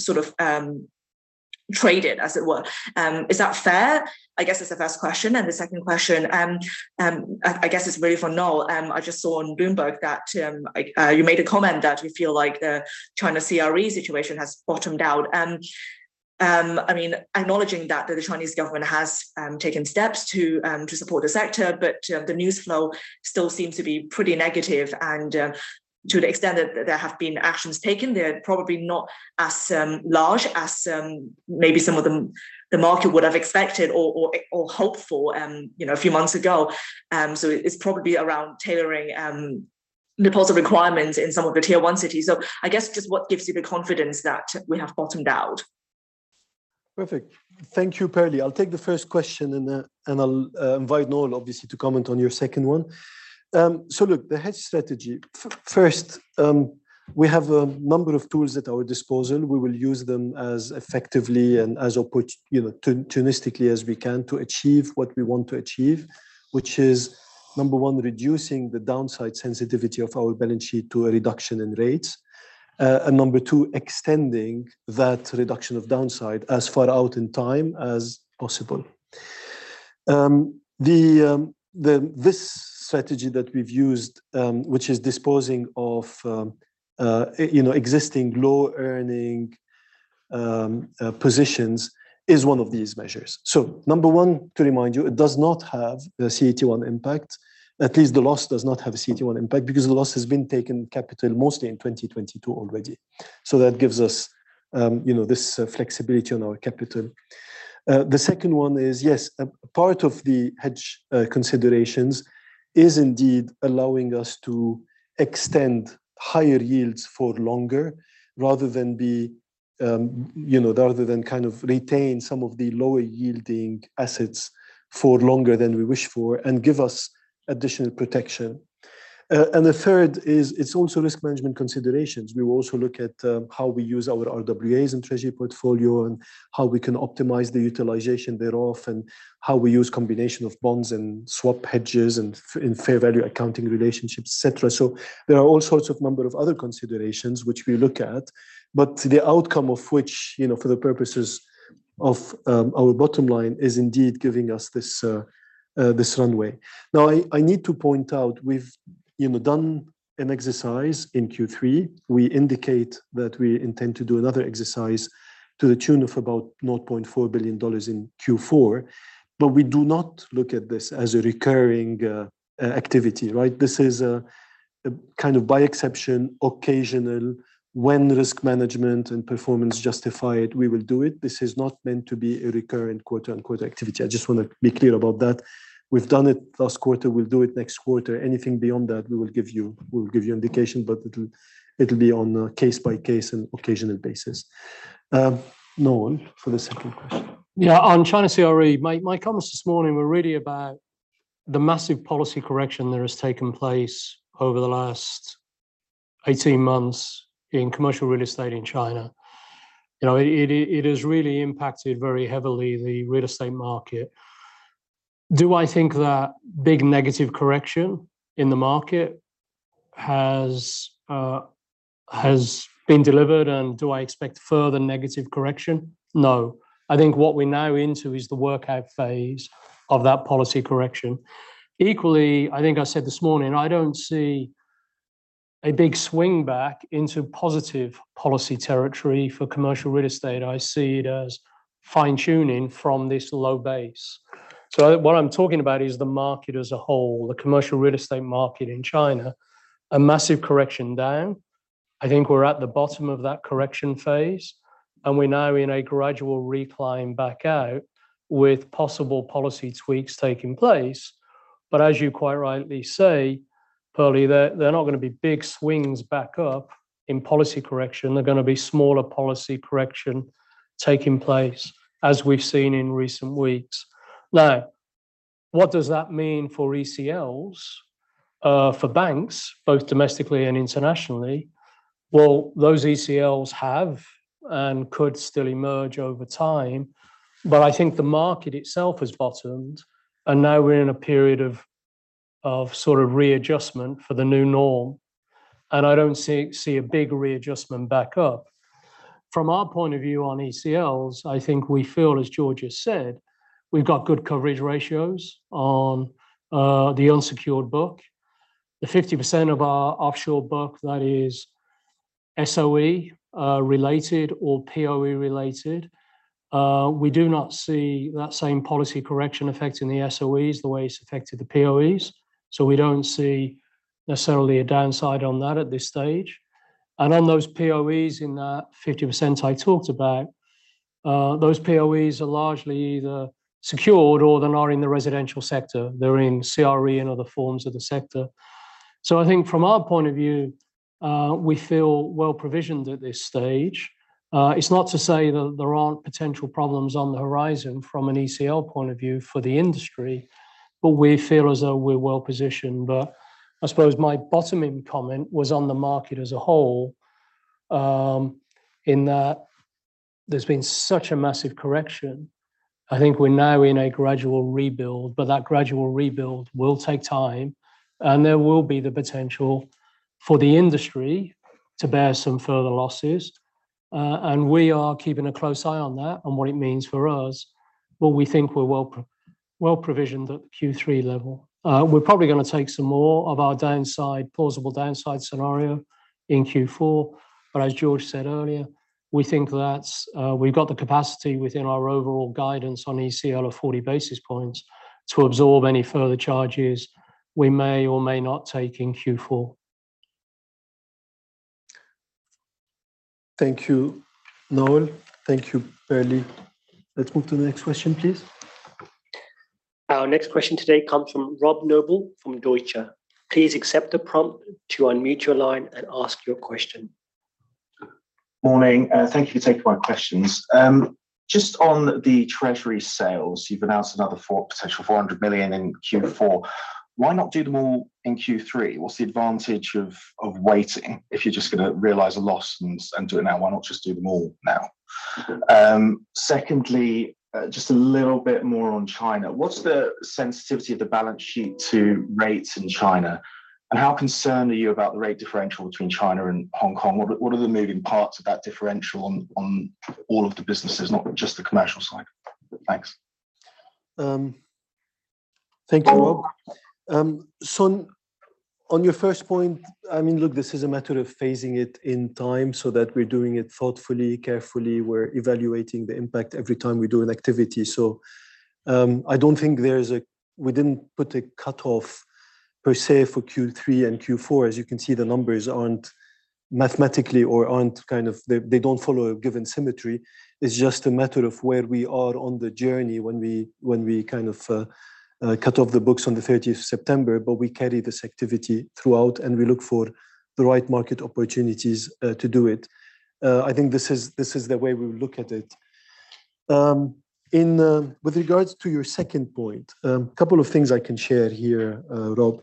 sort of trade it, as it were? Is that fair? I guess that's the first question, and the second question, I guess it's really for Noel. I just saw on Bloomberg that, you made a comment that you feel like the China CRE situation has bottomed out. And, I mean, acknowledging that the Chinese government has taken steps to support the sector, but the news flow still seems to be pretty negative. To the extent that there have been actions taken, they're probably not as large as maybe some of them the market would have expected or hoped for, you know, a few months ago. So it's probably around tailoring the positive requirements in some of the Tier 1 cities. I guess just what gives you the confidence that we have bottomed out? Perfect. Thank you, Perlie. I'll take the first question, and I'll invite Noel, obviously, to comment on your second one. So look, the hedge strategy. First, we have a number of tools at our disposal. We will use them as effectively and as opportunistically as we can to achieve what we want to achieve, which is, number one, reducing the downside sensitivity of our balance sheet to a reduction in rates, and number two, extending that reduction of downside as far out in time as possible. This strategy that we've used, which is disposing of, you know, existing low-earning positions, is one of these measures. So number one, to remind you, it does not have a CET1 impact. At least the loss does not have a CET1 impact because the loss has been taken capital mostly in 2022 already. So that gives us, you know, this flexibility on our capital. The second one is, yes, a part of the hedge considerations is indeed allowing us to extend higher yields for longer rather than be, you know, rather than kind of retain some of the lower-yielding assets for longer than we wish for and give us additional protection. And the third is, it's also risk management considerations. We will also look at how we use our RWAs and treasury portfolio and how we can optimize the utilization thereof, and how we use combination of bonds and swap hedges and in fair value accounting relationships, et cetera. So there are all sorts of number of other considerations which we look at, but the outcome of which, you know, for the purposes of, our bottom line, is indeed giving us this runway. Now, I need to point out, we've, you know, done an exercise in Q3. We indicate that we intend to do another exercise to the tune of about $0.4 billion in Q4, but we do not look at this as a recurring activity, right? This is a kind of by exception, occasional, when risk management and performance justify it, we will do it. This is not meant to be a recurrent, "activity." I just want to be clear about that. We've done it last quarter. We'll do it next quarter. Anything beyond that, we will give you. We will give you indication, but it'll, it'll be on a case-by-case and occasional basis. Noel, for the second question. Yeah, on China CRE, my, my comments this morning were really about the massive policy correction that has taken place over the last 18 months in commercial real estate in China. You know, it has really impacted very heavily the real estate market. Do I think that big negative correction in the market has been delivered, and do I expect further negative correction? No. I think what we're now into is the workout phase of that policy correction. Equally, I think I said this morning, I don't see a big swing back into positive policy territory for commercial real estate. I see it as fine-tuning from this low base. So what I'm talking about is the market as a whole, the commercial real estate market in China, a massive correction down. I think we're at the bottom of that correction phase, and we're now in a gradual recline back out with possible policy tweaks taking place. But as you quite rightly say, Perlie, there, they're not going to be big swings back up in policy correction. They're going to be smaller policy correction taking place, as we've seen in recent weeks. Now, what does that mean for ECLs for banks, both domestically and internationally? Well, those ECLs have and could still emerge over time, but I think the market itself has bottomed, and now we're in a period of sort of readjustment for the new norm, and I don't see, see a big readjustment back up. From our point of view on ECLs, I think we feel, as Georges has said, we've got good coverage ratios on the unsecured book. The 50% of our offshore book that is SOE related or POE related, we do not see that same policy correction affecting the SOEs the way it's affected the POEs. So we don't see necessarily a downside on that at this stage. And on those POEs in that 50% I talked about, those POEs are largely either secured or they're not in the residential sector. They're in CRE and other forms of the sector. So I think from our point of view, we feel well provisioned at this stage. It's not to say that there aren't potential problems on the horizon from an ECL point of view for the industry, but we feel as though we're well positioned. But I suppose my bottoming comment was on the market as a whole, in that there's been such a massive correction. I think we're now in a gradual rebuild, but that gradual rebuild will take time, and there will be the potential for the industry to bear some further losses. And we are keeping a close eye on that and what it means for us, but we think we're well provisioned at the Q3 level. We're probably going to take some more of our downside, plausible downside scenario in Q4. But as George said earlier, we think that we've got the capacity within our overall guidance on ECL of 40 basis points to absorb any further charges we may or may not take in Q4. Thank you, Noel. Thank you, Perlie. Let's move to the next question, please. Our next question today comes from Rob Noble from Deutsche. Please accept the prompt to unmute your line and ask your question. Morning, thank you for taking my questions. Just on the treasury sales, you've announced another potential $400 million in Q4. Why not do them all in Q3? What's the advantage of waiting if you're just going to realize a loss and do it now? Why not just do them all now? Secondly, just a little bit more on China. What's the sensitivity of the balance sheet to rates in China, and how concerned are you about the rate differential between China and Hong Kong? What are the moving parts of that differential on all of the businesses, not just the commercial side? Thanks. Thank you, Rob. So on your first point, I mean, look, this is a matter of phasing it in time so that we're doing it thoughtfully, carefully. We're evaluating the impact every time we do an activity. So, I don't think we didn't put a cutoff per se, for Q3 and Q4. As you can see, the numbers aren't mathematically or aren't, kind of. They, they don't follow a given symmetry. It's just a matter of where we are on the journey when we, when we kind of, cut off the books on the thirtieth of September, but we carry this activity throughout, and we look for the right market opportunities, to do it. I think this is, this is the way we look at it. In with regards to your second point, a couple of things I can share here, Rob.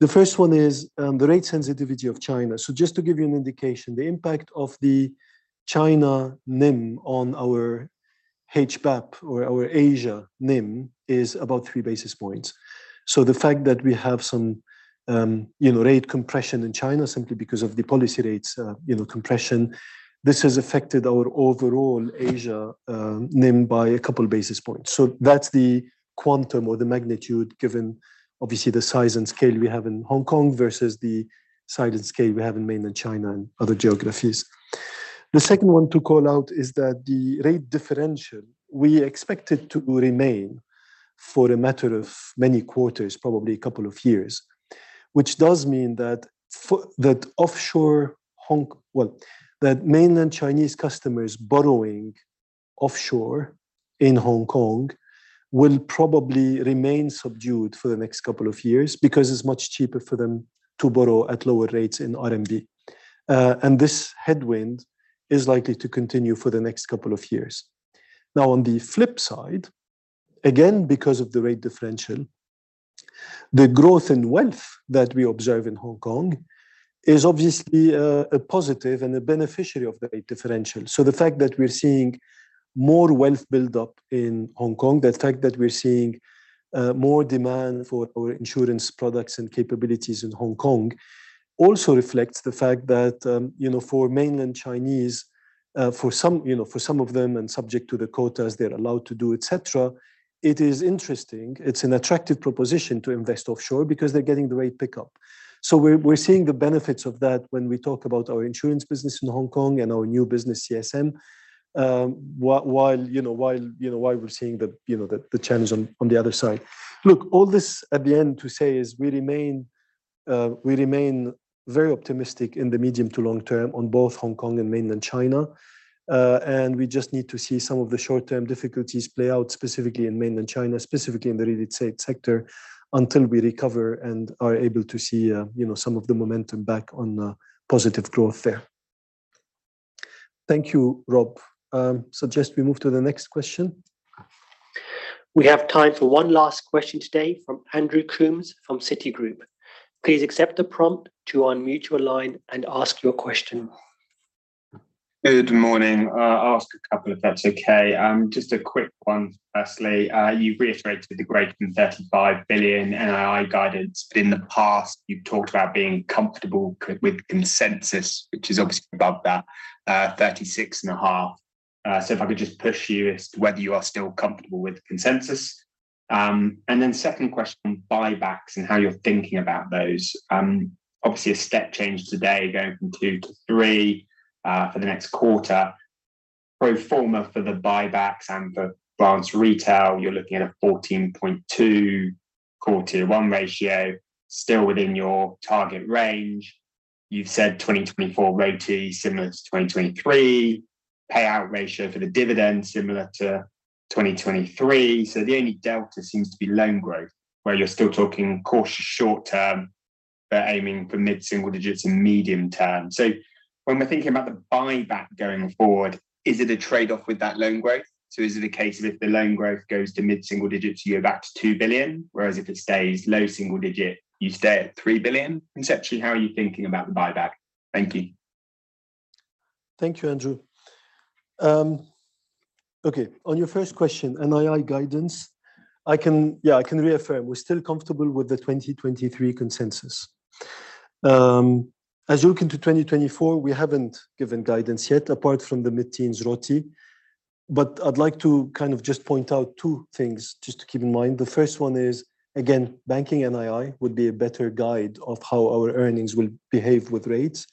The first one is, the rate sensitivity of China. So just to give you an indication, the impact of the China NIM on our HBAP or our Asia NIM is about three basis points. So the fact that we have some, you know, rate compression in China simply because of the policy rates, you know, compression, this has affected our overall Asia NIM by a couple basis points. So that's the quantum or the magnitude given, obviously, the size and scale we have in Hong Kong versus the size and scale we have in mainland China and other geographies. The second one to call out is that the rate differential, we expect it to remain for a matter of many quarters, probably a couple of years, which does mean that offshore Hong Kong, well, that mainland Chinese customers borrowing offshore in Hong Kong will probably remain subdued for the next couple of years because it's much cheaper for them to borrow at lower rates in RMB. And this headwind is likely to continue for the next couple of years. Now, on the flip side, again, because of the rate differential, the growth in wealth that we observe in Hong Kong is obviously a positive and a beneficiary of the rate differential. So the fact that we're seeing more wealth build-up in Hong Kong, the fact that we're seeing more demand for our insurance products and capabilities in Hong Kong, also reflects the fact that, you know, for mainland Chinese, for some, you know, for some of them, and subject to the quotas they're allowed to do, et cetera, it is interesting. It's an attractive proposition to invest offshore because they're getting the rate pickup. So we're seeing the benefits of that when we talk about our insurance business in Hong Kong and our new business, CSM, while, you know, while we're seeing the challenge on the other side. Look, all this at the end to say is we remain, we remain very optimistic in the medium to long term on both Hong Kong and Mainland China, and we just need to see some of the short-term difficulties play out, specifically in Mainland China, specifically in the real estate sector, until we recover and are able to see, you know, some of the momentum back on, positive growth there. Thank you, Rob. Suggest we move to the next question. We have time for one last question today from Andrew Coombs, from Citigroup. Please accept the prompt to unmute your line and ask your question. Good morning. I'll ask a couple, if that's okay. Just a quick one, firstly. You've reiterated the greater than $35 billion NII guidance. In the past, you've talked about being comfortable with consensus, which is obviously above that, $36.5 billion. So if I could just push you as to whether you are still comfortable with the consensus? And then second question, buybacks and how you're thinking about those. Obviously, a step change today, going from $2 billion to $3 billion for the next quarter. Pro forma for the buybacks and for Canada retail, you're looking at a 14.2 core Tier 1 ratio, still within your target range. You've said 2024 RoTE, similar to 2023, payout ratio for the dividend, similar to 2023. So the only delta seems to be loan growth, where you're still talking cautious short term, but aiming for mid-single digits in medium term. So when we're thinking about the buyback going forward, is it a trade-off with that loan growth? So is it a case of if the loan growth goes to mid-single digits, you go back to $2 billion, whereas if it stays low single digit, you stay at $3 billion? Conceptually, how are you thinking about the buyback? Thank you. Thank you, Andrew. Okay, on your first question, NII guidance, I can reaffirm we're still comfortable with the 2023 consensus. As you look into 2024, we haven't given guidance yet, apart from the mid-teens RoTE, but I'd like to kind of just point out two things just to keep in mind. The first one is, again, banking NII would be a better guide of how our earnings will behave with rates.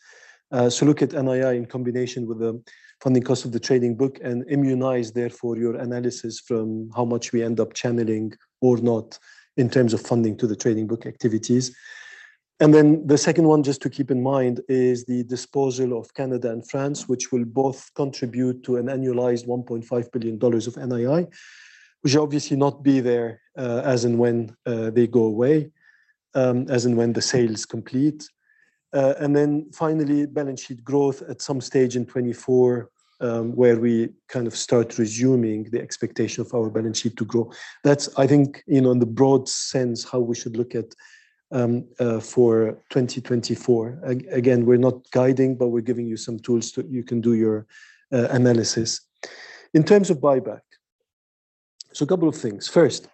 So look at NII in combination with the funding cost of the trading book, and immunize, therefore, your analysis from how much we end up channeling or not in terms of funding to the trading book activities. And then the second one, just to keep in mind, is the disposal of Canada and France, which will both contribute to an annualized $1.5 billion of NII, which will obviously not be there, as and when they go away, as and when the sale is complete. And then finally, balance sheet growth at some stage in 2024, where we kind of start resuming the expectation of our balance sheet to grow. That's, I think, you know, in the broad sense, how we should look at for 2024. Again, we're not guiding, but we're giving you some tools to you can do your analysis. In terms of buyback, so a couple of things. First,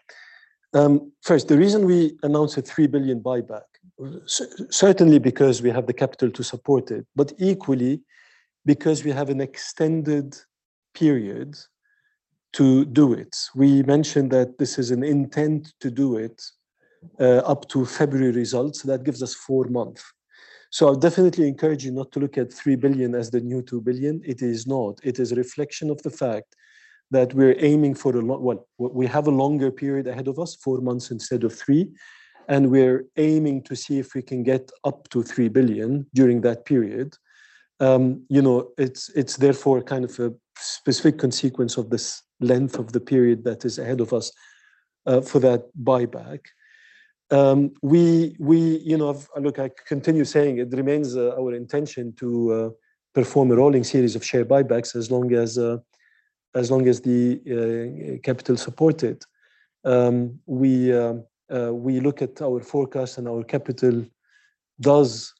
first, the reason we announced a $3 billion buyback, certainly because we have the capital to support it, but equally because we have an extended period to do it. We mentioned that this is an intent to do it, up to February results. That gives us four months. So I'll definitely encourage you not to look at $3 billion as the new $2 billion. It is not. It is a reflection of the fact that we're aiming for a well, we have a longer period ahead of us, four months instead of three, and we're aiming to see if we can get up to $3 billion during that period. You know, it's, it's therefore kind of a specific consequence of this length of the period that is ahead of us, for that buyback. You know, look, I continue saying it remains our intention to perform a rolling series of share buybacks as long as the capital support it. We look at our forecast, and our capital does,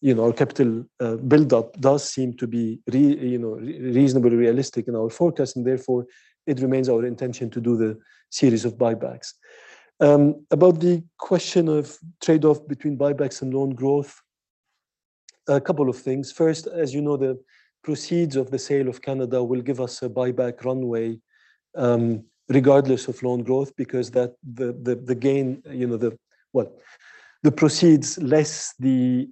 you know, our capital buildup does seem to be reasonably realistic in our forecast, and therefore, it remains our intention to do the series of buybacks. About the question of trade-off between buybacks and loan growth, a couple of things. First, as you know, the proceeds of the sale of Canada will give us a buyback runway, regardless of loan growth, because the gain, you know, the proceeds less the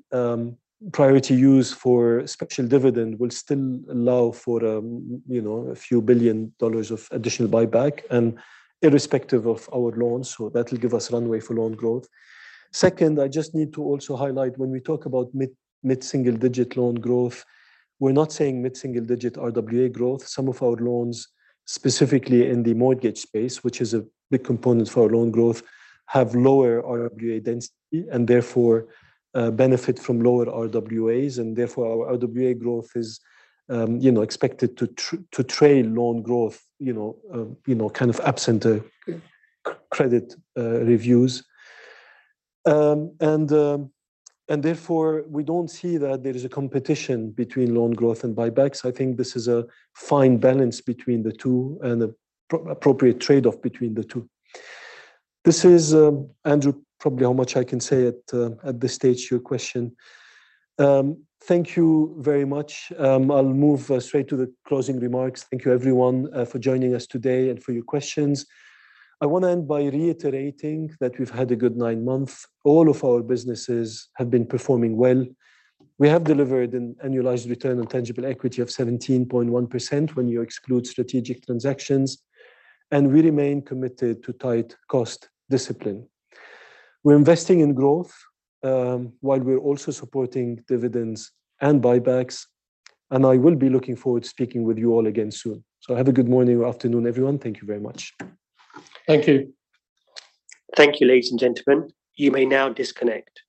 priority use for special dividend will still allow for, you know, a few billion dollars of additional buyback and irrespective of our loans, so that will give us runway for loan growth. Second, I just need to also highlight, when we talk about mid-single-digit loan growth, we're not saying mid-single-digit RWA growth. Some of our loans, specifically in the mortgage space, which is a big component for our loan growth, have lower RWA density and therefore, benefit from lower RWAs, and therefore, our RWA growth is, you know, expected to trail loan growth, you know, kind of absent a credit reviews. Therefore, we don't see that there is a competition between loan growth and buybacks. I think this is a fine balance between the two and an appropriate trade-off between the two. This is, Andrew, probably how much I can say at this stage to your question. Thank you very much. I'll move straight to the closing remarks. Thank you, everyone, for joining us today and for your questions. I want to end by reiterating that we've had a good nine months. All of our businesses have been performing well. We have delivered an annualized return on tangible equity of 17.1% when you exclude strategic transactions, and we remain committed to tight cost discipline. We're investing in growth, while we're also supporting dividends and buybacks, and I will be looking forward to speaking with you all again soon. Have a good morning or afternoon, everyone. Thank you very much. Thank you. Thank you, ladies and gentlemen. You may now disconnect.